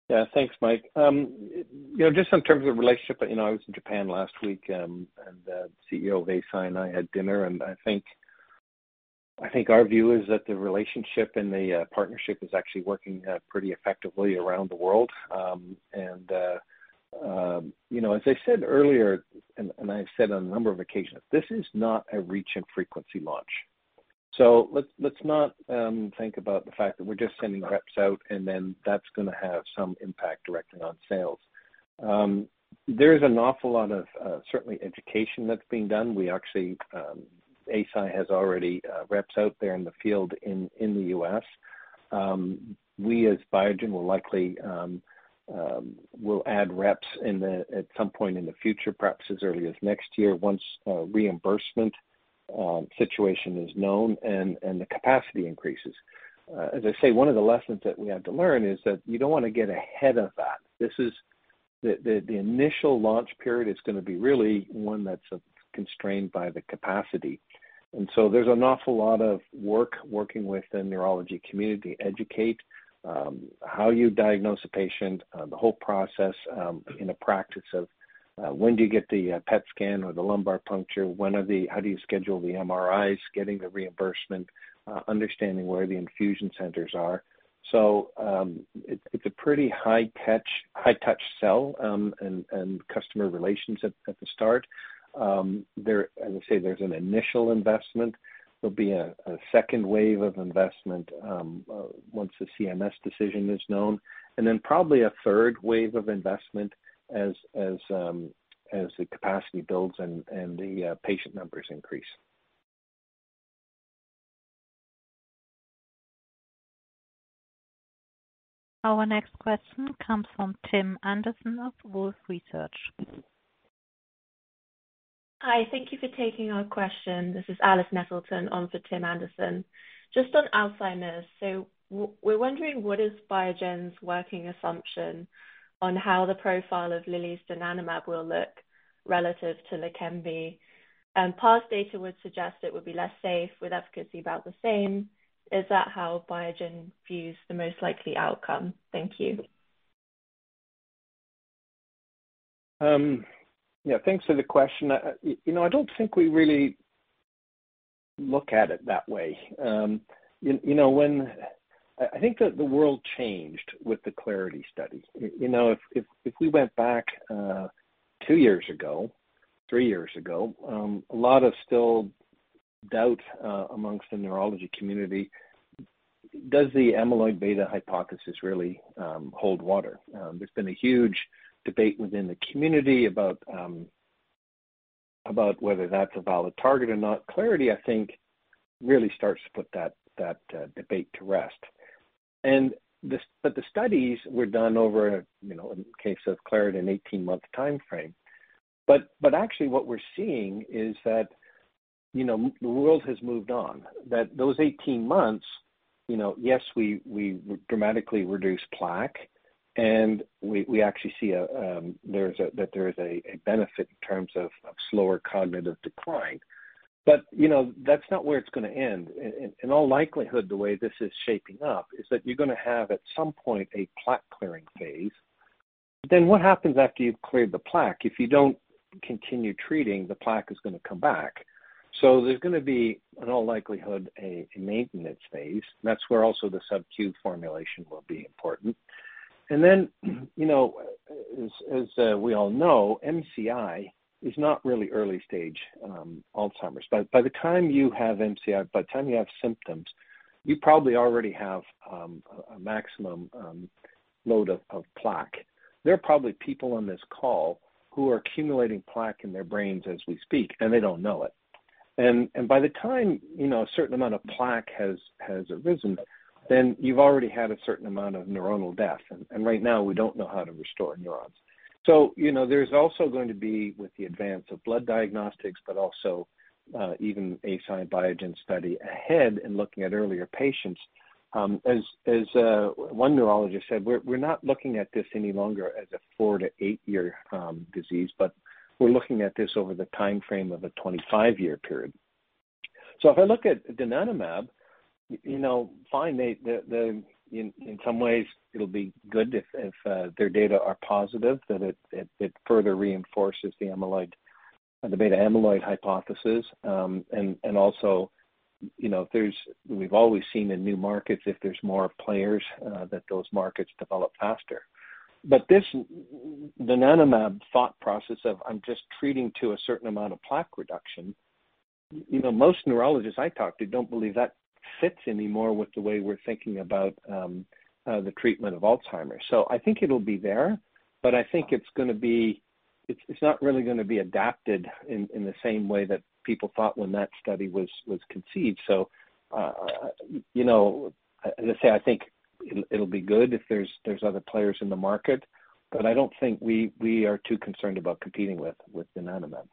Yeah. Thanks, Mike. You know, just in terms of relationship, you know, I was in Japan last week, and the CEO of Eisai and I had dinner, and I think our view is that the relationship and the partnership is actually working pretty effectively around the world. You know, as I said earlier and I've said on a number of occasions, this is not a reach and frequency launch. Let's not think about the fact that we're just sending reps out and then that's gonna have some impact directly on sales. There's an awful lot of certainly education that's being done. We actually Eisai has already reps out there in the field in the U.S. We, as Biogen, will likely add reps at some point in the future, perhaps as early as next year, once reimbursement situation is known and the capacity increases. As I say, one of the lessons that we had to learn is that you don't wanna get ahead of that. This is the initial launch period is gonna be really one that's constrained by the capacity. So there's an awful lot of work working with the neurology community, educate how you diagnose a patient, the whole process in the practice of when do you get the PET scan or the lumbar puncture, how do you schedule the MRIs, getting the reimbursement, understanding where the infusion centers are. It's a pretty high touch, high touch sell, and customer relations at the start. As I say, there's an initial investment. There'll be a 2nd wave of investment, once the CMS decision is known, and then probably a 3rd wave of investment as the capacity builds and the patient numbers increase. Our next question comes from Tim Anderson of Wolfe Research. Hi. Thank you for taking our question. This is Alice Nettleton on for Tim Anderson. Just on Alzheimer's. We're wondering, what is Biogen's working assumption on how the profile of Lilly's donanemab will look relative to Leqembi? Past data would suggest it would be less safe with efficacy about the same. Is that how Biogen views the most likely outcome? Thank you. Yeah. Thanks for the question. You know, I don't think we really look at it that way. You know, I think that the world changed with the Clarity study. You know, if we went back, two years ago, three years ago, a lot of still doubt amongst the neurology community, does the amyloid beta hypothesis really hold water? There's been a huge debate within the community about whether that's a valid target or not. Clarity, I think, really starts to put that debate to rest. The studies were done over, you know, in the case of Clarity, an 18-month timeframe. Actually what we're seeing is that, you know, the world has moved on. Those 18 months, you know, yes, we dramatically reduced plaque, and we actually see a benefit in terms of slower cognitive decline. You know, that's not where it's gonna end. In all likelihood, the way this is shaping up is that you're gonna have, at some point, a plaque-clearing phase. Then what happens after you've cleared the plaque? If you don't continue treating, the plaque is gonna come back. There's gonna be, in all likelihood, a maintenance phase. That's where also the subQ formulation will be important. You know, as we all know, MCI is not really early stage Alzheimer's. By the time you have MCI, by the time you have symptoms, you probably already have a maximum load of plaque. There are probably people on this call who are accumulating plaque in their brains as we speak, and they don't know it. By the time, you know, a certain amount of plaque has arisen, then you've already had a certain amount of neuronal death. Right now, we don't know how to restore neurons. You know, there's also going to be, with the advance of blood diagnostics, but also, even a signed Biogen study ahead in looking at earlier patients, as one neurologist said, we're not looking at this any longer as a four-year to eight-year disease, but we're looking at this over the timeframe of a 25 year period. If I look at donanemab, you know, fine, they... The in some ways, it'll be good if their data are positive, that it further reinforces the amyloid, the beta amyloid hypothesis. And also, you know, We've always seen in new markets, if there's more players, that those markets develop faster. This donanemab thought process of I'm just treating to a certain amount of plaque reduction, you know, most neurologists I talk to don't believe that fits anymore with the way we're thinking about the treatment of Alzheimer's. I think it'll be there, but I think It's not really gonna be adapted in the same way that people thought when that study was conceived. You know, as I say, I think it'll be good if there's other players in the market, but I don't think we are too concerned about competing with donanemab.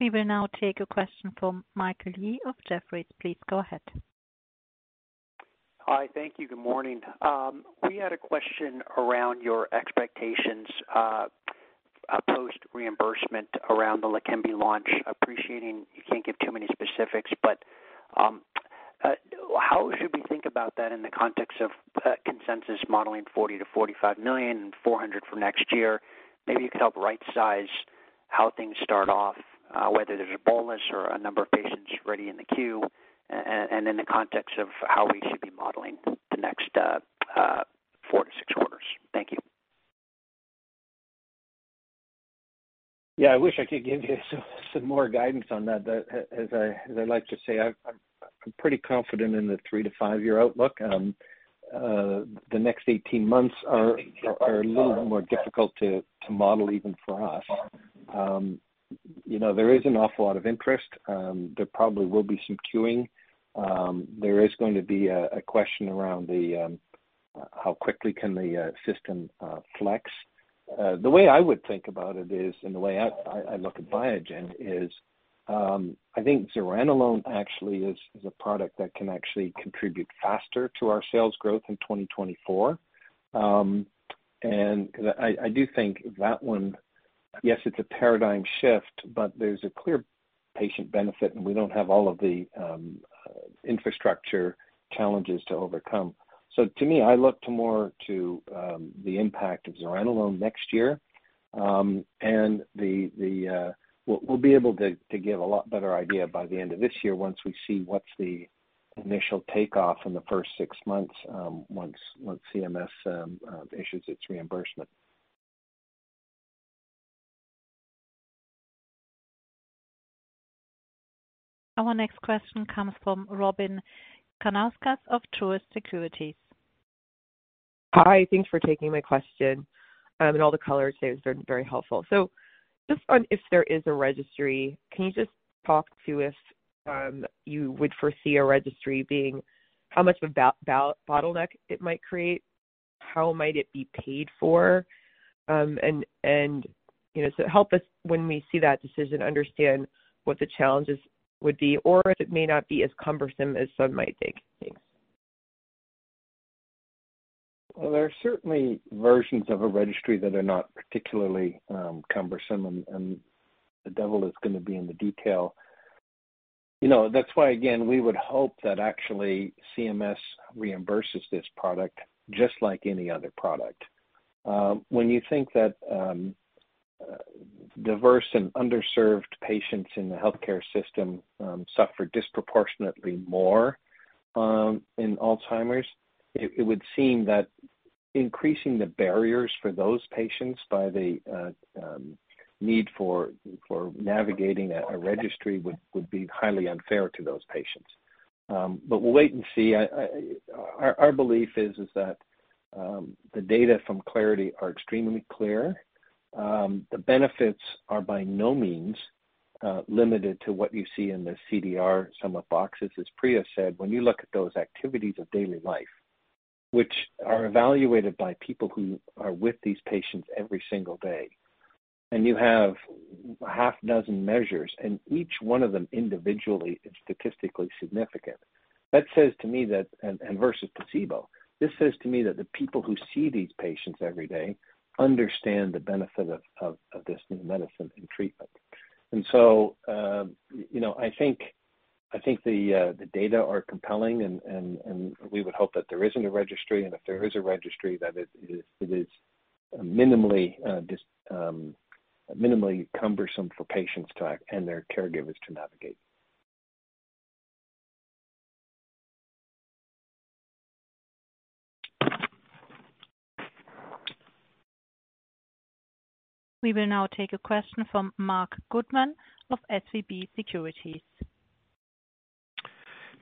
We will now take a question from Michael Yee of Jefferies. Please go ahead. Hi. Thank you. Good morning. We had a question around your expectations post reimbursement around the Leqembi launch. Appreciating you can't give too many specifics, but how should we think about that in the context of consensus modeling $40 million-$45 million and $400 for next year? Maybe you could help right-size how things start off, whether there's a bolus or a number of patients ready in the queue, and in the context of how we should be modeling the next four to six quarters. Thank you. Yeah. I wish I could give you some more guidance on that. As I, as I like to say, I'm pretty confident in the three-year to five-year outlook. The next 18 months are a little more difficult to model even for us. You know, there is an awful lot of interest. There probably will be some queuing. There is going to be a question around how quickly can the system flex. The way I would think about it is, and the way I look at Biogen is, I think zuranolone actually is a product that can actually contribute faster to our sales growth in 2024. I do think that one, yes, it's a paradigm shift, but there's a clear patient benefit, and we don't have all of the infrastructure challenges to overcome. To me, I look to more to the impact of zuranolone next year. We'll be able to give a lot better idea by the end of this year once we see what's the initial takeoff in the first six months, once CMS issues its reimbursement. Our next question comes from Robyn Karnauskas of Truist Securities. Hi. Thanks for taking my question. All the color today has been very helpful. Just on if there is a registry, can you just talk to us, you would foresee a registry being how much of a bottleneck it might create? How might it be paid for? And, you know, help us when we see that decision, understand what the challenges would be or if it may not be as cumbersome as some might think. Thanks. Well, there are certainly versions of a registry that are not particularly cumbersome and the devil is gonna be in the detail. You know, that's why, again, we would hope that actually CMS reimburses this product just like any other product. When you think that diverse and underserved patients in the healthcare system suffer disproportionately more in Alzheimer's, it would seem that increasing the barriers for those patients by the need for navigating a registry would be highly unfair to those patients. But we'll wait and see. Our belief is that the data from Clarity are extremely clear. The benefits are by no means limited to what you see in the CDR-Sum of Boxes, as Priya said. When you look at those activities of daily life, which are evaluated by people who are with these patients every single day, and you have a half dozen measures, and each one of them individually is statistically significant. That says to me that... Versus placebo. This says to me that the people who see these patients every day understand the benefit of this new medicine and treatment. You know, I think the data are compelling and we would hope that there isn't a registry, and if there is a registry that it is minimally cumbersome for patients to act and their caregivers to navigate. We will now take a question from Marc Goodman of SVB Securities.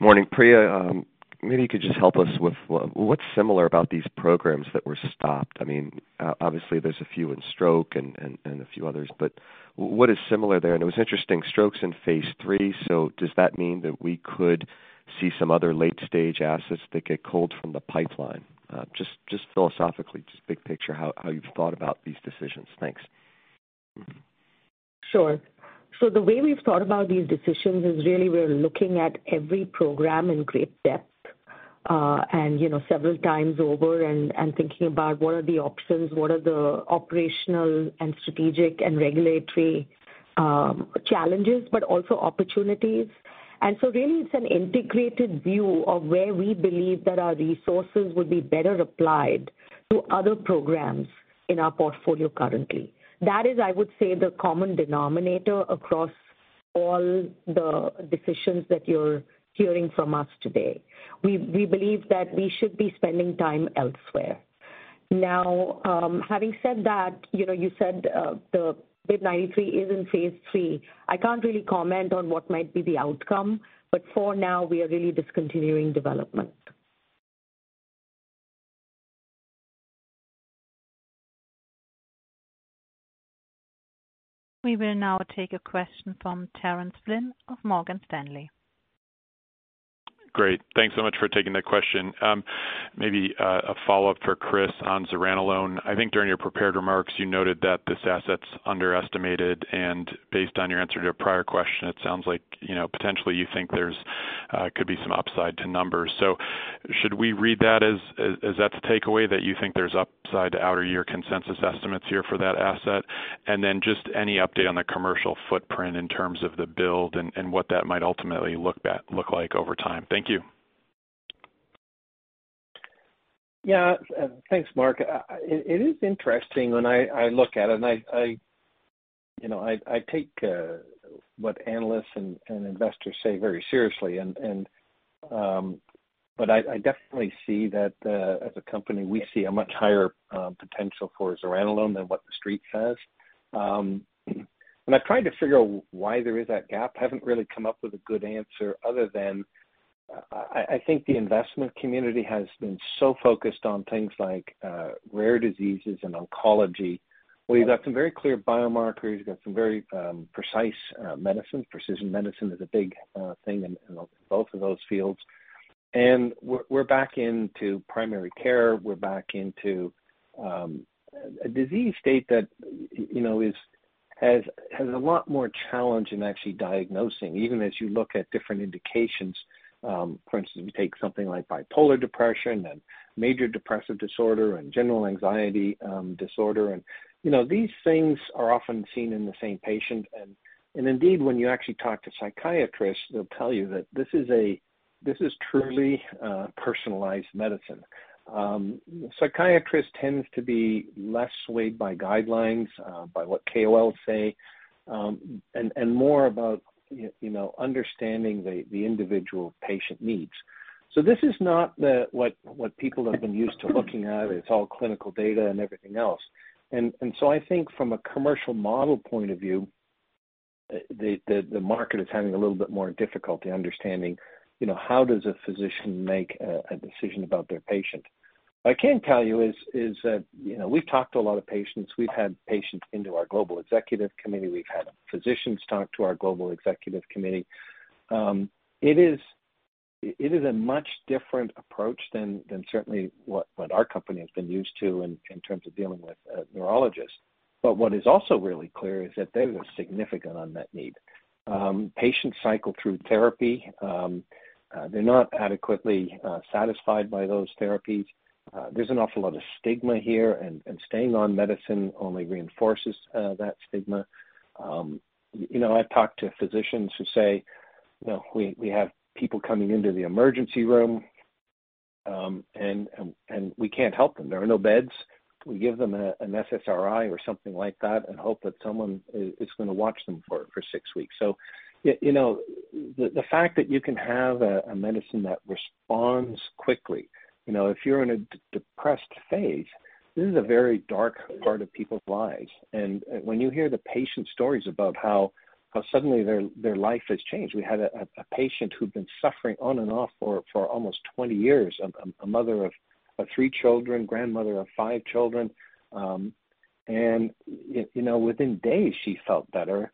Morning, Priya. Maybe you could just help us with what's similar about these programs that were stopped? I mean, obviously there's a few in stroke and a few others, but what is similar there? It was interesting, stroke's in phase III, so does that mean that we could see some other late-stage assets that get culled from the pipeline? Just philosophically, big picture, how you've thought about these decisions? Thanks. Sure. The way we've thought about these decisions is really we're looking at every program in great depth, and, you know, several times over and thinking about what are the options, what are the operational and strategic and regulatory challenges, but also opportunities. Really it's an integrated view of where we believe that our resources would be better applied to other programs in our portfolio currently. That is, I would say, the common denominator across all the decisions that you're hearing from us today. We believe that we should be spending time elsewhere. Now, having said that, you know, you said, the BIIB093 is in phase III. I can't really comment on what might be the outcome, but for now we are really discontinuing development. We will now take a question from Terence Flynn of Morgan Stanley. Great. Thanks so much for taking that question. Maybe, a follow-up for Chris on zuranolone. I think during your prepared remarks you noted that this asset's underestimated, and based on your answer to a prior question, it sounds like, you know, potentially you think there's, could be some upside to numbers. Should we read that as that's the takeaway, that you think there's upside to outer year consensus estimates here for that asset? Just any update on the commercial footprint in terms of the build and what that might ultimately look like over time? Thank you. Thanks, Marc. It is interesting when I look at it and I, you know, I take what analysts and investors say very seriously and I definitely see that as a company, we see a much higher potential for zuranolone than what the street says. I've tried to figure out why there is that gap. I haven't really come up with a good answer other than I think the investment community has been so focused on things like rare diseases and oncology. We've got some very clear biomarkers. We've got some very precise medicine. Precision medicine is a big thing in both of those fields. We're back into primary care. We're back into a disease state that, you know, is... has a lot more challenge in actually diagnosing, even as you look at different indications. For instance, you take something like bipolar depression and major depressive disorder and general anxiety disorder and, you know, these things are often seen in the same patient. Indeed, when you actually talk to psychiatrists, they'll tell you that this is truly personalized medicine. Psychiatrists tends to be less swayed by guidelines, by what KOLs say, and more about, you know, understanding the individual patient needs. This is not what people have been used to looking at. It's all clinical data and everything else. I think from a commercial model point of view. The market is having a little bit more difficulty understanding, you know, how does a physician make a decision about their patient? What I can tell you is that, you know, we've talked to a lot of patients. We've had patients into our global executive committee. We've had physicians talk to our global executive committee. It is a much different approach than certainly what our company has been used to in terms of dealing with neurologists. What is also really clear is that there is significant unmet need. Patients cycle through therapy. They're not adequately satisfied by those therapies. There's an awful lot of stigma here and staying on medicine only reinforces that stigma. You know, I've talked to physicians who say, you know, "We have people coming into the emergency room, and we can't help them. There are no beds. We give them an SSRI or something like that and hope that someone is gonna watch them for 6 weeks." You know, the fact that you can have a medicine that responds quickly. You know, if you're in a depressed phase, this is a very dark part of people's lives. When you hear the patient stories about how suddenly their life has changed. We had a patient who'd been suffering on and off for almost 20 years. A mother of three children, grandmother of five children. Within days she felt better.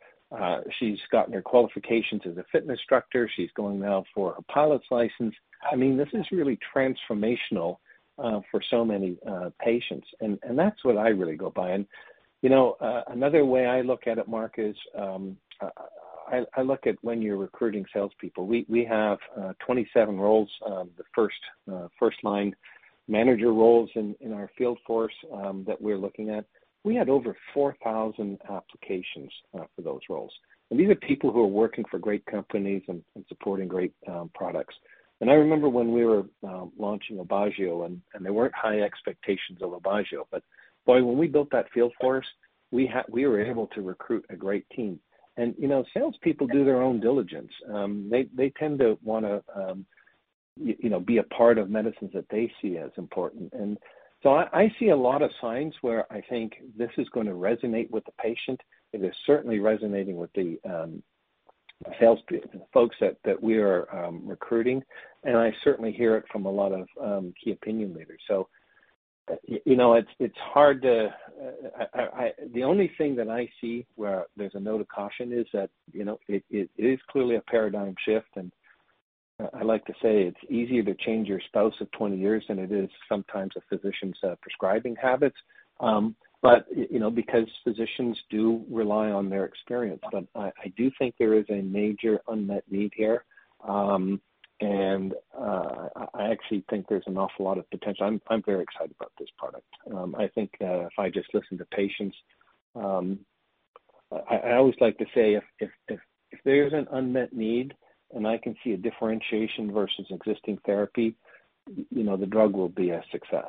She's gotten her qualifications as a fitness instructor. She's going now for a pilot's license. I mean, this is really transformational for so many patients. That's what I really go by. You know, another way I look at it, Marc, is I look at when you're recruiting salespeople. We have 27 roles. The first first line manager roles in our field force that we're looking at. We had over 4,000 applications for those roles. These are people who are working for great companies and supporting great products. I remember when we were launching Aubagio, and there weren't high expectations of Aubagio. Boy, when we built that field force, we were able to recruit a great team. You know, salespeople do their own diligence. They tend to wanna, you know, be a part of medicines that they see as important. I see a lot of signs where I think this is gonna resonate with the patient. It is certainly resonating with the sales people, the folks that we are recruiting. I certainly hear it from a lot of key opinion leaders. You know, it's hard to. The only thing that I see where there's a note of caution is that, you know, it is clearly a paradigm shift. I like to say it's easier to change your spouse of 20 years than it is sometimes a physician's prescribing habits. You know, because physicians do rely on their experience. I do think there is a major unmet need here. I actually think there's an awful lot of potential. I'm very excited about this product. I think if I just listen to patients, I always like to say if there's an unmet need and I can see a differentiation versus existing therapy, you know, the drug will be a success.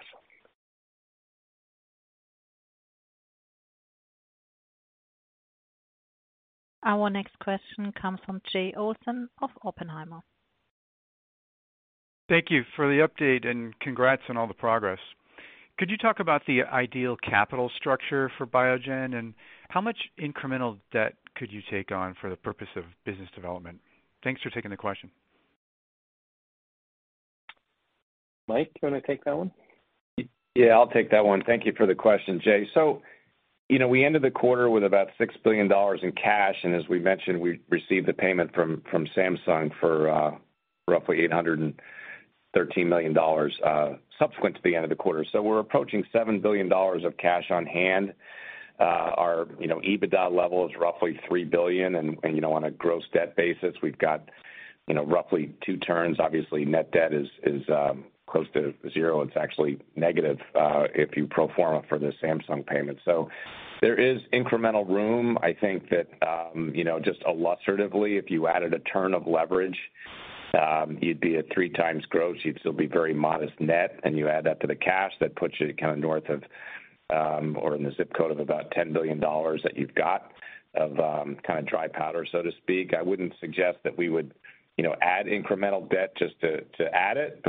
Our next question comes from Jay Olson of Oppenheimer. Thank you for the update, and congrats on all the progress. Could you talk about the ideal capital structure for Biogen, and how much incremental debt could you take on for the purpose of business development? Thanks for taking the question. Mike, do you wanna take that one? Yeah, I'll take that one. Thank you for the question, Jay. You know, we ended the quarter with about $6 billion in cash. As we mentioned, we received the payment from Samsung for roughly $813 million subsequent to the end of the quarter. We're approaching $7 billion of cash on hand. Our, you know, EBITDA level is roughly $3 billion. You know, on a gross debt basis, we've got, you know, roughly two turns. Obviously, net debt is close to zero. It's actually negative if you pro forma for the Samsung payment. There is incremental room. I think that, you know, just illustratively, if you added a turn of leverage, you'd be at 3x gross. You'd still be very modest net, and you add that to the cash, that puts you kind of north of, or in the zip code of about $10 billion that you've got of, kind of dry powder, so to speak. I wouldn't suggest that we would, you know, add incremental debt just to add it.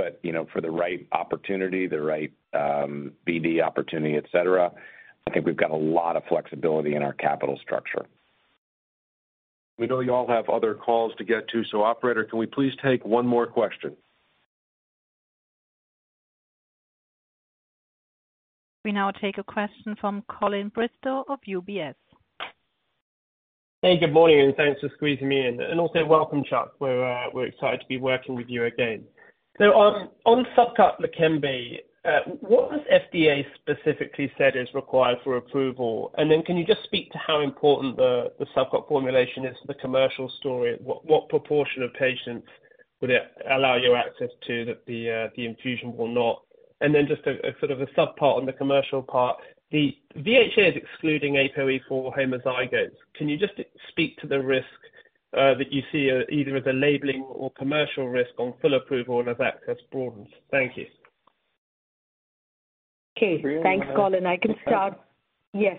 For the right opportunity, the right BD opportunity, et cetera, I think we've got a lot of flexibility in our capital structure. We know you all have other calls to get to. Operator, can we please take one more question? We now take a question from Colin Bristow of UBS. Hey, good morning, thanks for squeezing me in. Also welcome, Chuck. We're excited to be working with you again. On subcut Leqembi, what has FDA specifically said is required for approval? Can you just speak to how important the subcut formulation is to the commercial story? What proportion of patients would it allow you access to that the infusion will not? Just a sort of a sub part on the commercial part. The VHA is excluding APOE4 homozygotes. Can you just speak to the risk that you see either as a labeling or commercial risk on full approval and as access broadens? Thank you. Okay. Thanks, Colin. I can start. Yes.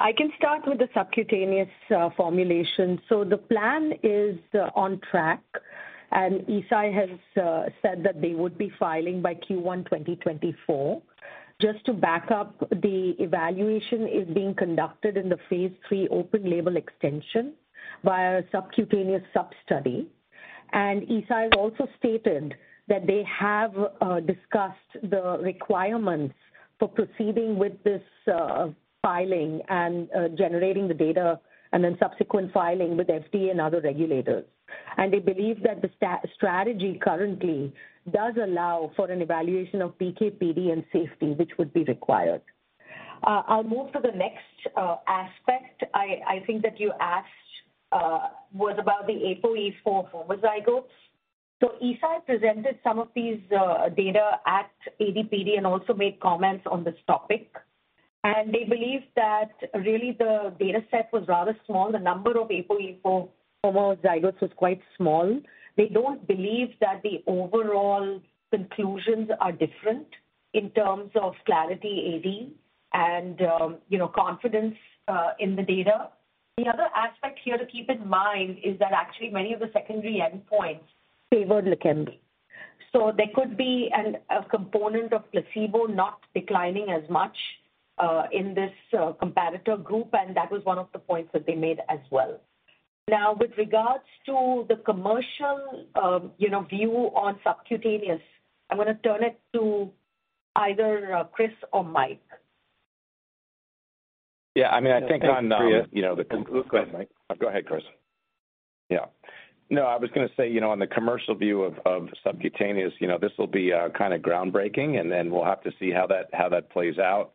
I can start with the subcutaneous formulation. The plan is on track. Eisai has said that they would be filing by Q1 2024. Just to back up, the evaluation is being conducted in the phase III open label extension via a subcutaneous sub-study. Eisai also stated that they have discussed the requirements for proceeding with this filing and generating the data and then subsequent filing with FDA and other regulators. They believe that the strategy currently does allow for an evaluation of PK/PD and safety, which would be required. I'll move to the next aspect. I think that you asked was about the APOE4 homozygote. Eisai presented some of these data at ADPD and also made comments on this topic. They believe that really the dataset was rather small. The number of APOE4 homozygotes was quite small. They don't believe that the overall conclusions are different in terms of Clarity AD and, you know, confidence in the data. The other aspect here to keep in mind is that actually many of the secondary endpoints favored Leqembi. There could be an, a component of placebo not declining as much in this comparator group, and that was one of the points that they made as well. With regards to the commercial, you know, view on subcutaneous, I'm gonna turn it to either Chris or Mike. Yeah, I mean, I think on, you know... Thanks, Priya. Go ahead, Mike. Go ahead, Chris. Yeah. No, I was gonna say, you know, on the commercial view of subcutaneous, you know, this will be kinda groundbreaking, and then we'll have to see how that plays out.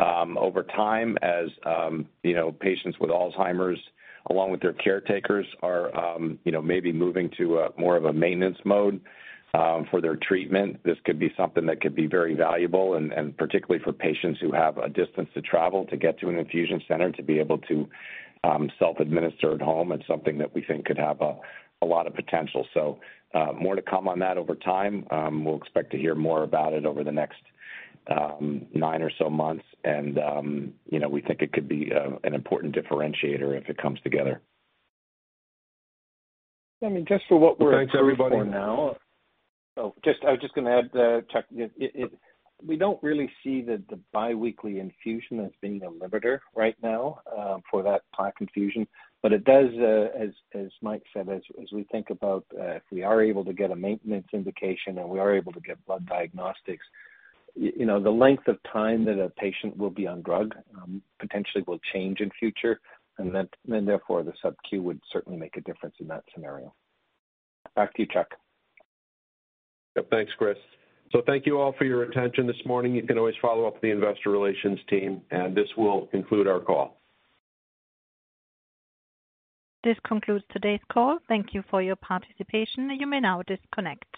Over time as, you know, patients with Alzheimer's along with their caretakers are, you know, maybe moving to a more of a maintenance mode, for their treatment. This could be something that could be very valuable and particularly for patients who have a distance to travel to get to an infusion center to be able to self-administer at home. It's something that we think could have a lot of potential. More to come on that over time. We'll expect to hear more about it over the next nine or so months and, you know, we think it could be an important differentiator if it comes together. I mean, just for what. Thanks, everybody. Oh, just, I was just gonna add, Chuck, we don't really see the biweekly infusion as being a limiter right now for that infusion. It does, as Mike said, as we think about, if we are able to get a maintenance indication and we are able to get blood diagnostics, you know, the length of time that a patient will be on drug, potentially will change in future and then, and therefore the subQ would certainly make a difference in that scenario. Back to you, Chuck. Yep, thanks, Chris. Thank you all for your attention this morning. You can always follow up with the investor relations team, and this will conclude our call. This concludes today's call. Thank you for your participation. You may now disconnect.